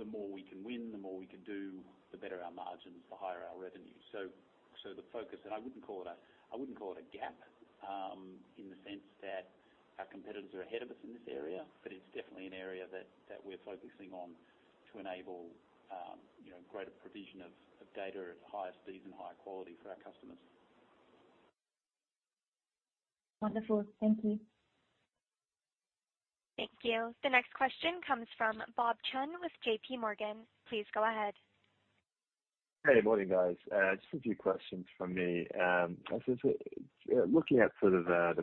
the more we can win, the more we can do, the better our margins, the higher our revenue. The focus, and I wouldn't call it a gap in the sense that our competitors are ahead of us in this area. It's definitely an area that we're focusing on to enable greater provision of data at higher speeds and higher quality for our customers. Wonderful. Thank you. Thank you. The next question comes from Bob Chen with JPMorgan. Please go ahead. Hey. Morning, guys. Just a few questions from me. I guess, looking at sort of the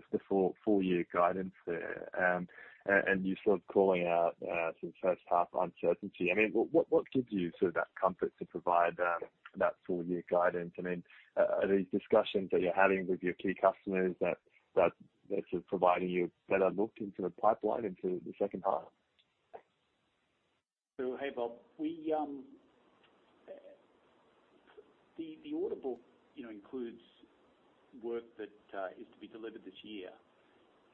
full-year guidance there, and you sort of calling out some first-half uncertainty. I mean, what gives you that comfort to provide that full-year guidance? Are these discussions that you're having with your key customers that's providing you a better look into the pipeline into the second-half? Hey, Bob. The order book includes work that is to be delivered this year.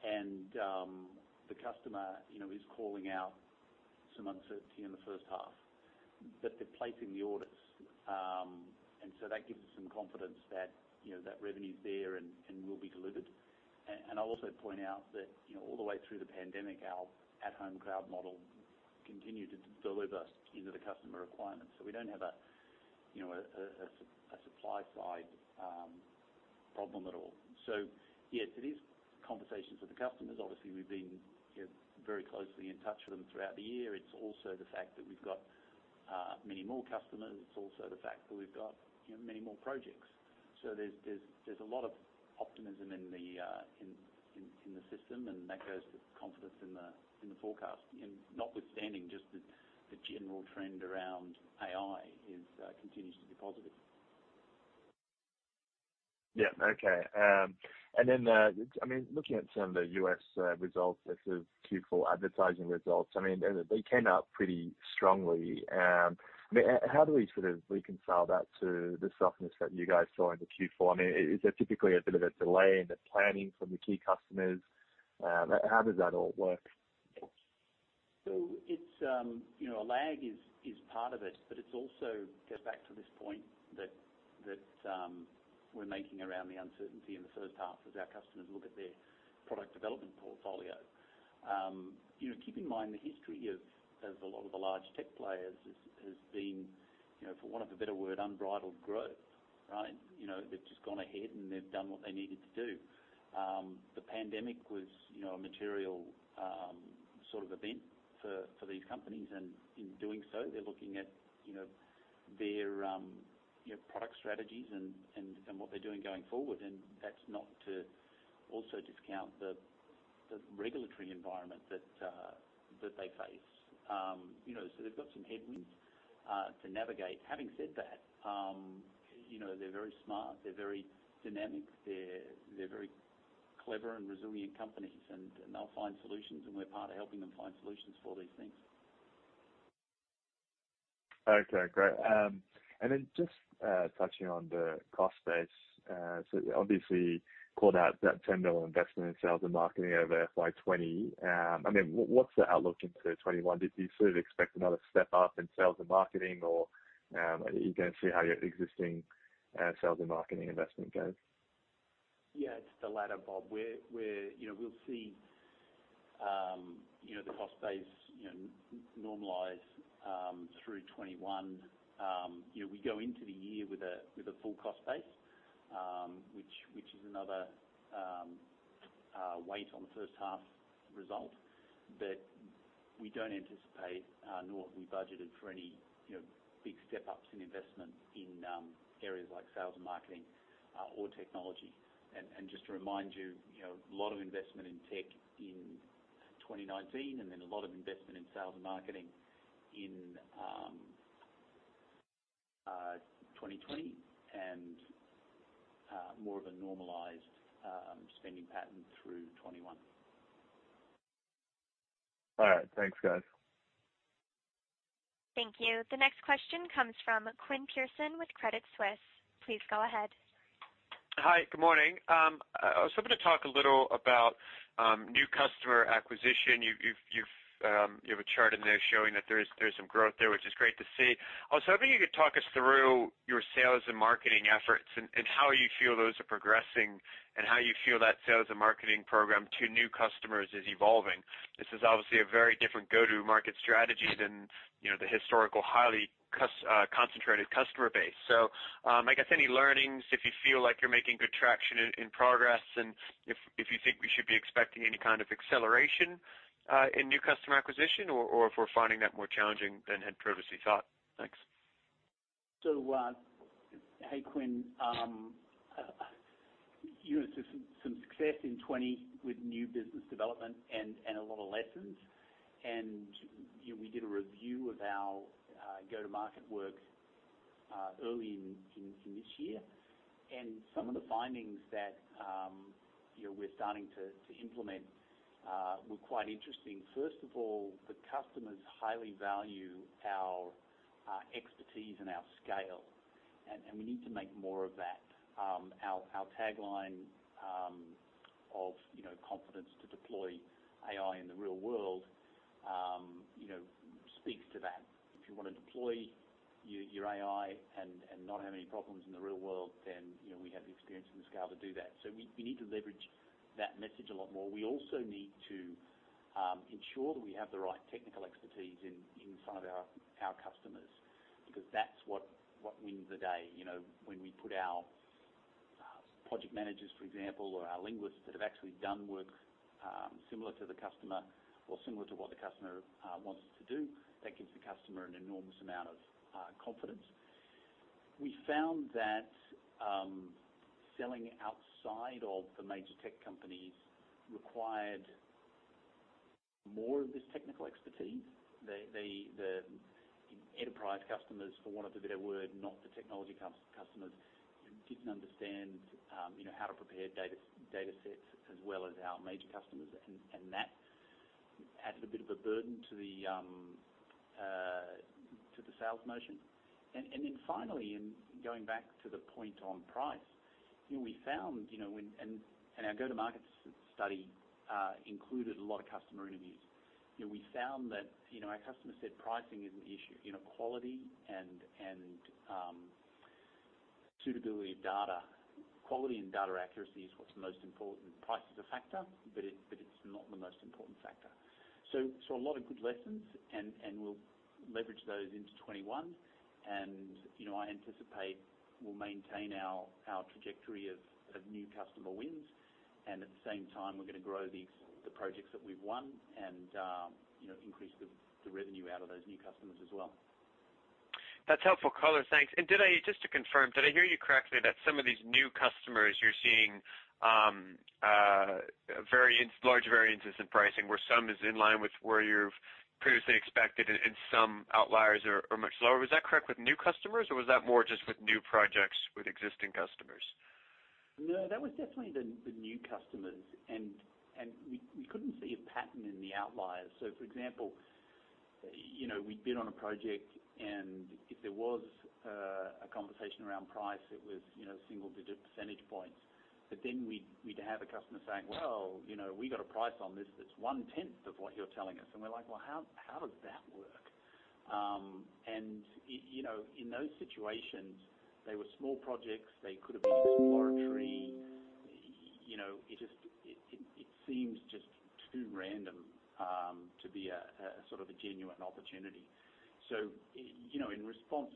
The customer is calling out some uncertainty in the first half, but they're placing the orders. That gives us some confidence that revenue's there and will be delivered. I'll also point out that all the way through the pandemic, our at-home crowd model continued to deliver into the customer requirements. We don't have a supply side problem at all. Yes, it is conversations with the customers. Obviously, we've been very closely in touch with them throughout the year. It's also the fact that we've got many more customers. It's also the fact that we've got many more projects. There's a lot of optimism in the system, and that goes to confidence in the forecast. Notwithstanding just the general trend around AI continues to be positive. Yeah. Okay. Then, looking at some of the U.S. results versus Q4 advertising results, I mean, they came out pretty strongly. How do we sort of reconcile that to the softness that you guys saw into Q4? I mean, is there typically a bit of a delay in the planning from the key customers? How does that all work? A lag is part of it, but it also goes back to this point that we're making around the uncertainty in the first half as our customers look at their product development portfolio. Keep in mind, the history of a lot of the large tech players has been, for want of a better word, unbridled growth, right? They've just gone ahead and they've done what they needed to do. The pandemic was a material sort of event for these companies. In doing so, they're looking at their product strategies and what they're doing going forward. That's not to also discount the regulatory environment that they face. They've got some headwinds to navigate. Having said that, they're very smart. They're very dynamic. They're very clever and resilient companies, and they'll find solutions, and we're part of helping them find solutions for these things. Okay, great. Just touching on the cost base, obviously called out that AUD 10 million investment in sales and marketing over FY 2020, what's the outlook into 2021? Did you sort of expect another step up in sales and marketing, or are you going to see how your existing sales and marketing investment goes? Yeah, it's the latter, Bob. We'll see the cost base normalize through 2021. We go into the year with a full cost base, which is another weight on the first half result. We don't anticipate, nor have we budgeted for any big step-ups in investment in areas like sales and marketing or technology. Just to remind you, a lot of investment in tech in 2019 and then a lot of investment in sales and marketing in 2020 and more of a normalized spending pattern through 2021. All right. Thanks, guys. Thank you. The next question comes from Quinn Pearson with Credit Suisse. Please go ahead. Hi. Good morning. I was hoping to talk a little about new customer acquisition. You have a chart in there showing that there's some growth there, which is great to see. I was hoping you could talk us through your sales and marketing efforts and how you feel those are progressing and how you feel that sales and marketing program to new customers is evolving. This is obviously a very different go-to-market strategy than the historical highly concentrated customer base. I guess any learnings, if you feel like you're making good traction in progress, and if you think we should be expecting any kind of acceleration in new customer acquisition or if we're finding that more challenging than had previously thought. Thanks. Hey, Quinn. Some success in 2020 with new business development and a lot of lessons. We did a review of our go-to-market work early in this year. Some of the findings that we're starting to implement were quite interesting. First of all, the customers highly value our expertise and our scale, and we need to make more of that. Our tagline of confidence to deploy AI in the real world speaks to that. If you want to deploy your AI and not have any problems in the real world, then we have the experience and the scale to do that. We need to leverage that message a lot more. We also need to ensure that we have the right technical expertise in front of our customers, because that's what wins the day. When we put our project managers, for example, or our linguists that have actually done work similar to the customer or similar to what the customer wants to do, that gives the customer an enormous amount of confidence. We found that selling outside of the major tech companies required more of this technical expertise. The enterprise customers, for want of a better word, not the technology customers, didn't understand how to prepare data sets as well as our major customers. That added a bit of a burden to the sales motion. Finally, in going back to the point on price, and our go-to-market study included a lot of customer interviews. We found that our customers said pricing is an issue. Quality and suitability of data. Quality and data accuracy is what's the most important. Price is a factor, but it's not the most important factor. A lot of good lessons, and we'll leverage those into 2021. I anticipate we'll maintain our trajectory of new customer wins. At the same time, we're going to grow the projects that we've won and increase the revenue out of those new customers as well. That's helpful color. Thanks. Just to confirm, did I hear you correctly that some of these new customers you're seeing large variances in pricing where some is in line with where you've previously expected and some outliers are much lower? Was that correct with new customers, or was that more just with new projects with existing customers? No, that was definitely the new customers. We couldn't see a pattern in the outliers. For example, we'd bid on a project, and if there was a conversation around price, it was single-digit percentage points. We'd have a customer saying, "Well, we got a price on this that's one-tenth of what you're telling us." We're like, "Well, how does that work?" In those situations, they were small projects. They could have been exploratory. It seems just too random to be a sort of a genuine opportunity. In response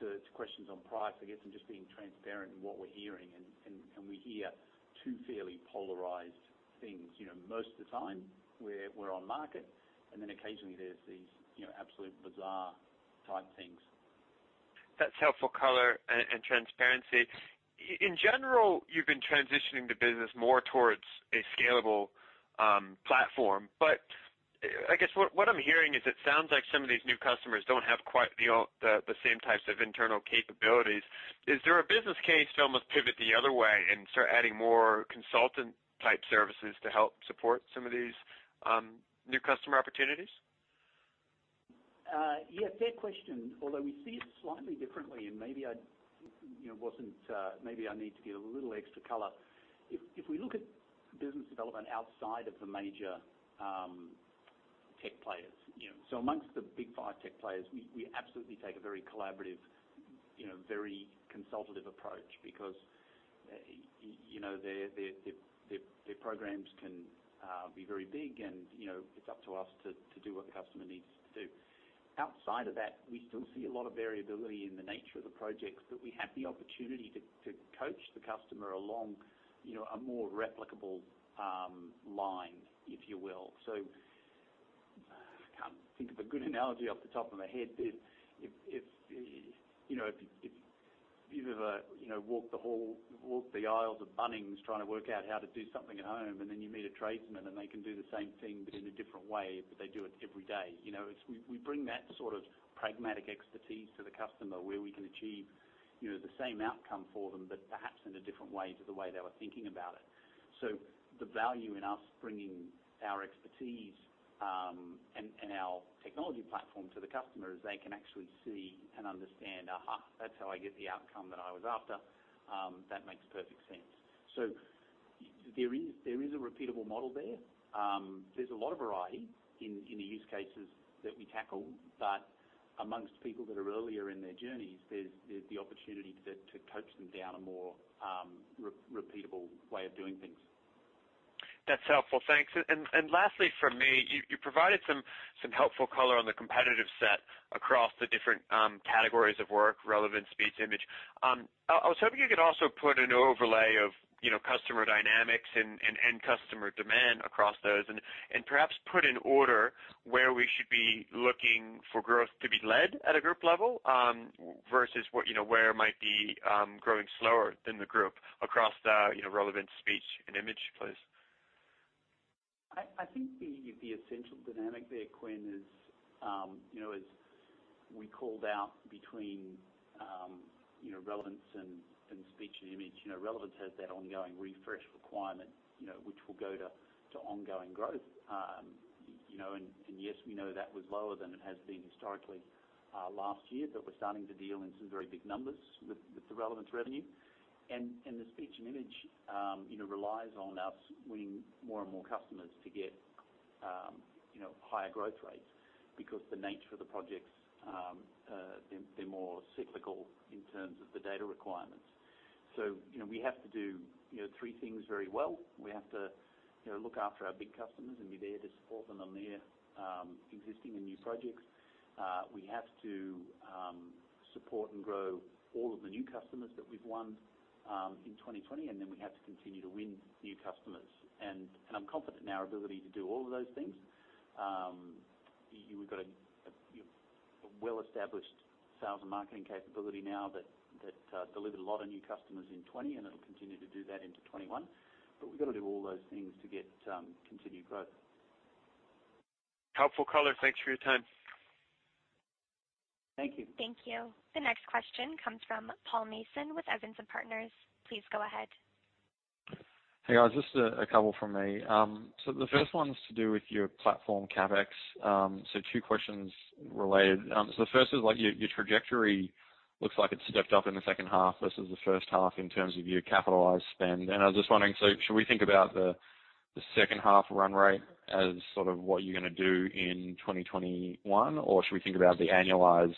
to questions on price, I guess I'm just being transparent in what we're hearing, and we hear two fairly polarized things. Most of the time we're on market, and then occasionally there's these absolute bizarre-type things. That's helpful color and transparency. In general, you've been transitioning the business more towards a scalable platform. I guess what I'm hearing is it sounds like some of these new customers don't have quite the same types of internal capabilities. Is there a business case to almost pivot the other way and start adding more consultant-type services to help support some of these new customer opportunities? Yeah. Fair question. Although we see it slightly differently and maybe I need to give a little extra color. If we look at business development outside of the major tech players. Amongst the big five tech players, we absolutely take a very collaborative, very consultative approach because their programs can be very big, and it's up to us to do what the customer needs to do. Outside of that, we still see a lot of variability in the nature of the projects, but we have the opportunity to coach the customer along a more replicable line, if you will. I can't think of a good analogy off the top of my head. If you've ever walked the aisles of Bunnings trying to work out how to do something at home, and then you meet a tradesman and they can do the same thing but in a different way, but they do it every day. We bring that sort of pragmatic expertise to the customer where we can achieve the same outcome for them, but perhaps in a different way to the way they were thinking about it. The value in us bringing our expertise and our technology platform to the customer is they can actually see and understand, "Aha, that's how I get the outcome that I was after. That makes perfect sense." There is a repeatable model there. There's a lot of variety in the use cases that we tackle, but amongst people that are earlier in their journeys, there's the opportunity to coach them down a more repeatable way of doing things. That's helpful. Thanks. Lastly from me, you provided some helpful color on the competitive set across the different categories of work, relevance, speech, image. I was hoping you could also put an overlay of customer dynamics and end customer demand across those and perhaps put in order where we should be looking for growth to be led at a group level versus where it might be growing slower than the group across the relevance, speech, and image, please. I think the essential dynamic there, Quinn, is as we called out between relevance and speech and image. Relevance has that ongoing refresh requirement which will go to ongoing growth. Yes, we know that was lower than it has been historically last year, but we're starting to deal in some very big numbers with the relevance revenue. The speech and image relies on us winning more and more customers to get higher growth rates because the nature of the projects, they're more cyclical in terms of the data requirements. We have to do three things very well. We have to look after our big customers and be there to support them on their existing and new projects. We have to support and grow all of the new customers that we've won in 2020, and then we have to continue to win new customers. I'm confident in our ability to do all of those things. We've got a well-established sales and marketing capability now that delivered a lot of new customers in 2020, and it'll continue to do that into 2021. We've got to do all those things to get continued growth. Helpful color. Thanks for your time. Thank you. Thank you. The next question comes from Paul Mason with Evans & Partners. Please go ahead. Hey, guys. Just a couple from me. The first one's to do with your platform CapEx. Two questions related. The first is your trajectory looks like it's stepped up in the second half versus the first half in terms of your capitalized spend. I was just wondering, so should we think about the second half run rate as sort of what you're going to do in 2021? Should we think about the annualized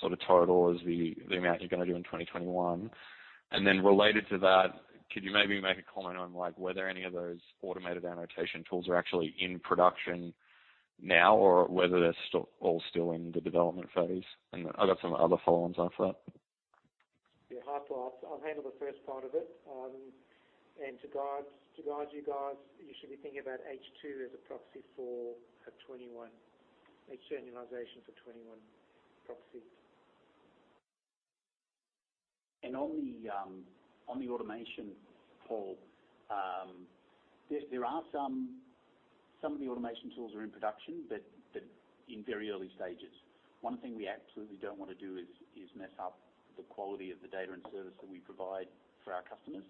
sort of total as the amount you're going to do in 2021? Related to that, could you maybe make a comment on whether any of those automated annotation tools are actually in production now or whether they're all still in the development phase? I've got some other follow-ons after that. Yeah. Hi, Paul. I'll handle the first part of it. To guide you guys, you should be thinking about H2 as a proxy for 2021. H2 annualization for 2021 proxy. On the automation, Paul, some of the automation tools are in production, but in very early stages. One thing we absolutely don't want to do is mess up the quality of the data and service that we provide for our customers.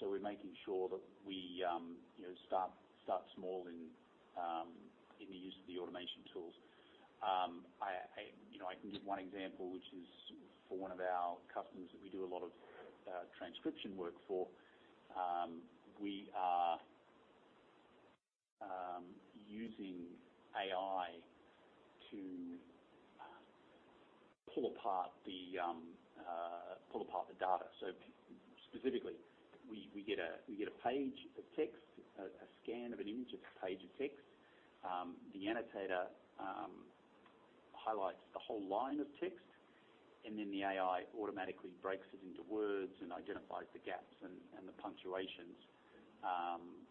So we're making sure that we start small in the use of the automation tools. I can give one example, which is for one of our customers that we do a lot of transcription work for. We are using AI to pull apart the data. Specifically, we get a page of text, a scan of an image of a page of text. The annotator highlights the whole line of text, and then the AI automatically breaks it into words and identifies the gaps and the punctuations,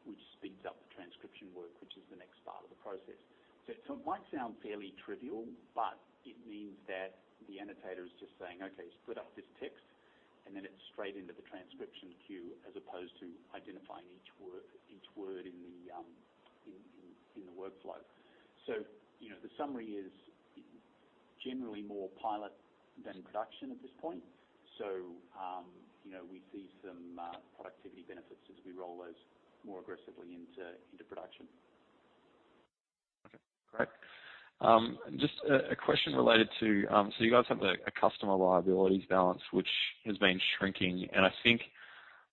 which speeds up the transcription work, which is the next part of the process. It might sound fairly trivial, but it means that the annotator is just saying, "Okay, split up this text," and then it's straight into the transcription queue as opposed to identifying each word in the workflow. The summary is generally more pilot than production at this point. We see some productivity benefits as we roll those more aggressively into production. Okay, great. Just a question related to, you guys have a customer liabilities balance, which has been shrinking, and I think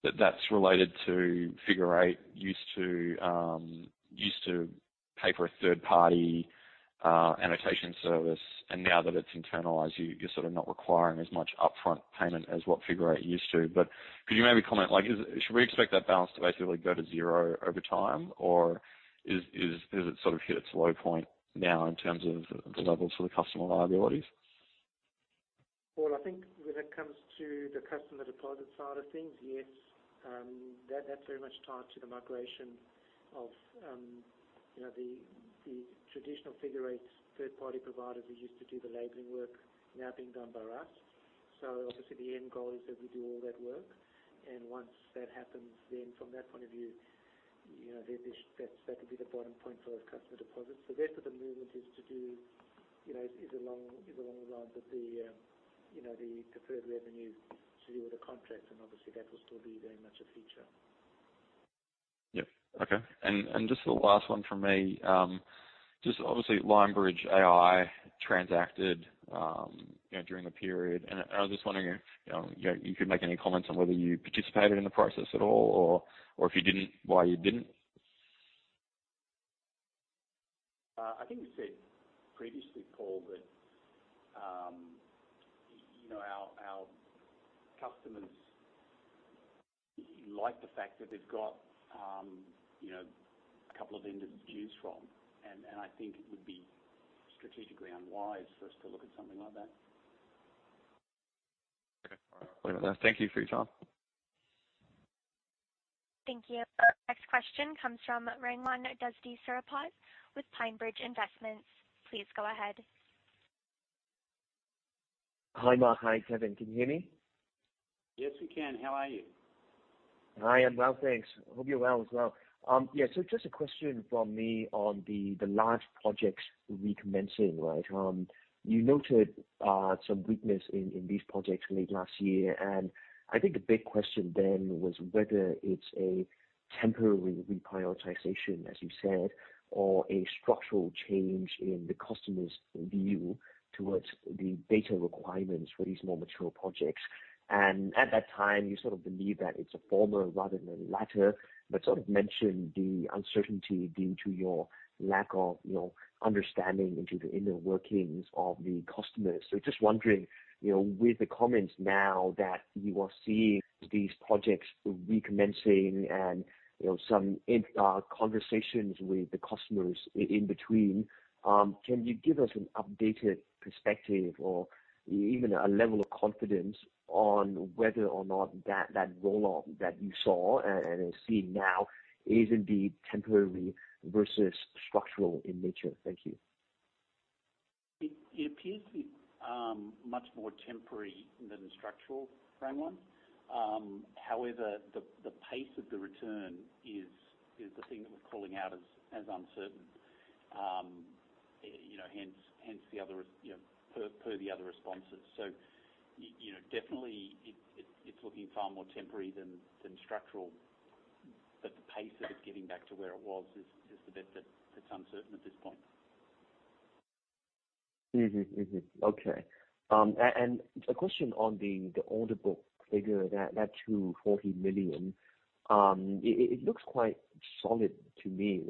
that that's related to Figure Eight used to pay for a third-party annotation service, and now that it's internalized, you're sort of not requiring as much upfront payment as what Figure Eight used to. Could you maybe comment, should we expect that balance to basically go to zero over time? Or has it sort of hit its low point now in terms of the levels of the customer liabilities? Paul, I think when it comes to the customer deposit side of things, yes. That's very much tied to the migration of the traditional Figure Eight third-party providers who used to do the labeling work now being done by us. Obviously the end goal is that we do all that work. Once that happens, then from that point of view, that could be the bottom point for customer deposits. The rest of the movement is along the lines of the deferred revenue to do with the contracts, and obviously that will still be very much a feature. Yep. Okay. Just the last one from me. Just obviously Lionbridge AI transacted during the period, and I was just wondering if you could make any comments on whether you participated in the process at all, or if you didn't, why you didn't? I think we said previously, Paul, that our customers like the fact that they've got a couple of vendors to choose from, and I think it would be strategically unwise for us to look at something like that. Okay. All right. I'll leave it there. Thank you for your time. Thank you. Our next question comes from Raimond Desdi Cerappos with PineBridge Investments. Please go ahead. Hi, Mark. Hi, Kevin. Can you hear me? Yes, we can. How are you? I am well, thanks. Hope you're well as well. Just a question from me on the large projects recommencing. You noted some weakness in these projects late last year, I think the big question then was whether it's a temporary reprioritization, as you said, or a structural change in the customer's view towards the data requirements for these more mature projects. At that time, you sort of believed that it's a former rather than the latter, but sort of mentioned the uncertainty due to your lack of understanding into the inner workings of the customers. Just wondering, with the comments now that you are seeing these projects recommencing and some conversations with the customers in between, can you give us an updated perspective or even a level of confidence on whether or not that rollout that you saw and are seeing now is indeed temporary versus structural in nature? Thank you. It appears to be much more temporary than structural, Raimond. However, the pace of the return is the thing that we're calling out as uncertain, per the other responses. Definitely it's looking far more temporary than structural, but the pace of it getting back to where it was is the bit that's uncertain at this point. Mm-hmm. Okay. A question on the order book figure, that $240 million. It looks quite solid to me.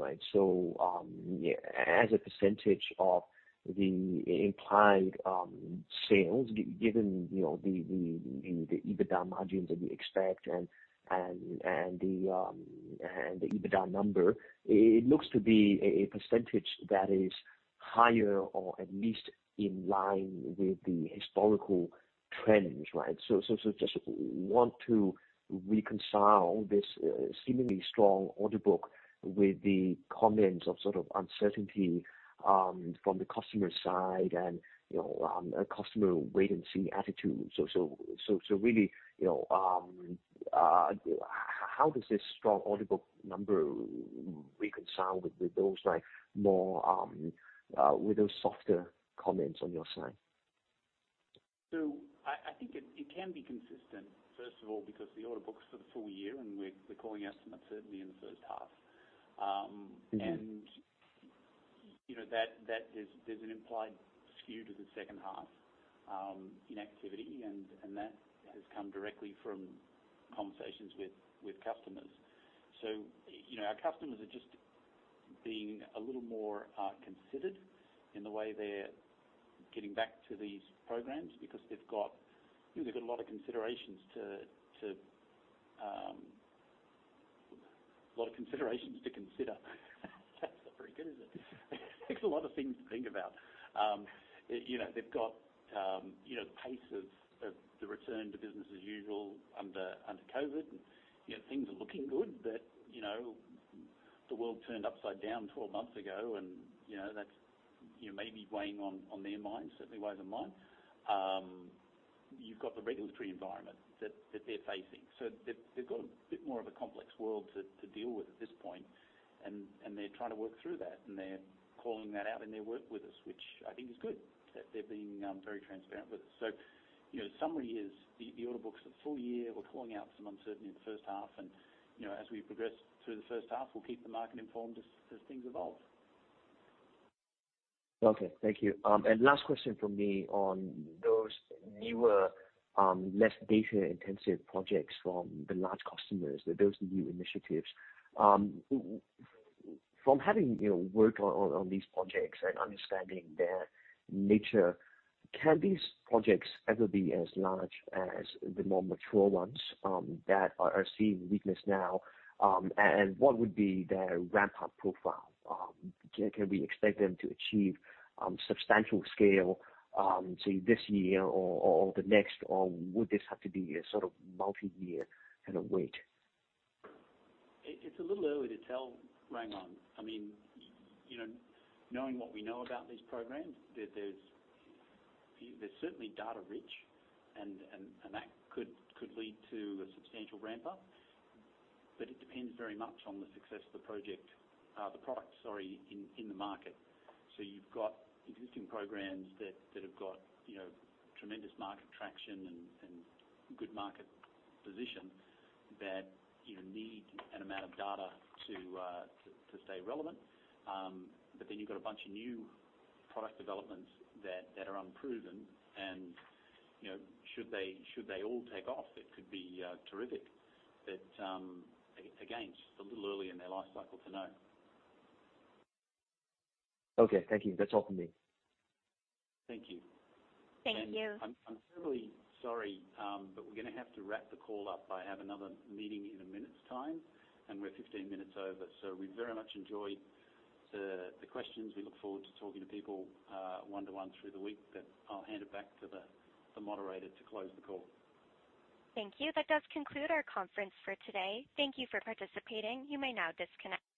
As a percentage of the implied sales, given the EBITDA margins that we expect and the EBITDA number, it looks to be a percentage that is higher or at least in line with the historical trends. Just want to reconcile this seemingly strong order book with the comments of sort of uncertainty from the customer side and a customer wait-and-see attitude. Really, how does this strong order book number reconcile with those softer comments on your side? I think it can be consistent, first of all, because the order book's for the full year, and we're calling estimates certainly in the first half. There's an implied skew to the second half in activity, and that has come directly from conversations with customers. Our customers are just being a little more considered in the way they're getting back to these programs because they've got a lot of considerations to consider. That's not very good, is it? There's a lot of things to think about. They've got the pace of the return to business as usual under COVID-19, and things are looking good, but the world turned upside down 12 months ago, and that's maybe weighing on their minds. Certainly weighs on mine. You've got the regulatory environment that they're facing. They've got a bit more of a complex world to deal with at this point, and they're trying to work through that, and they're calling that out in their work with us, which I think is good that they're being very transparent with us. Summary is, the order book's the full year. We're calling out some uncertainty in the first half, and as we progress through the first half, we'll keep the market informed as things evolve. Okay. Thank you. Last question from me on those newer, less data-intensive projects from the large customers, those new initiatives. From having worked on these projects and understanding their nature, can these projects ever be as large as the more mature ones that are seeing weakness now? What would be their ramp-up profile? Can we expect them to achieve substantial scale, say, this year or the next, or would this have to be a sort of multi-year kind of wait? It's a little early to tell, Raimond. Knowing what we know about these programs, they're certainly data rich, and that could lead to a substantial ramp-up. It depends very much on the success of the product in the market. You've got existing programs that have got tremendous market traction and good market position that need an amount of data to stay relevant. Then you've got a bunch of new product developments that are unproven and should they all take off, it could be terrific. Again, it's just a little early in their life cycle to know. Okay. Thank you. That's all from me. Thank you. Thank you. I'm thoroughly sorry, but we're going to have to wrap the call up. I have another meeting in a minute's time, and we're 15 minutes over. We very much enjoyed the questions. We look forward to talking to people one-to-one through the week, but I'll hand it back to the moderator to close the call. Thank you. That does conclude our conference for today. Thank you for participating. You may now disconnect.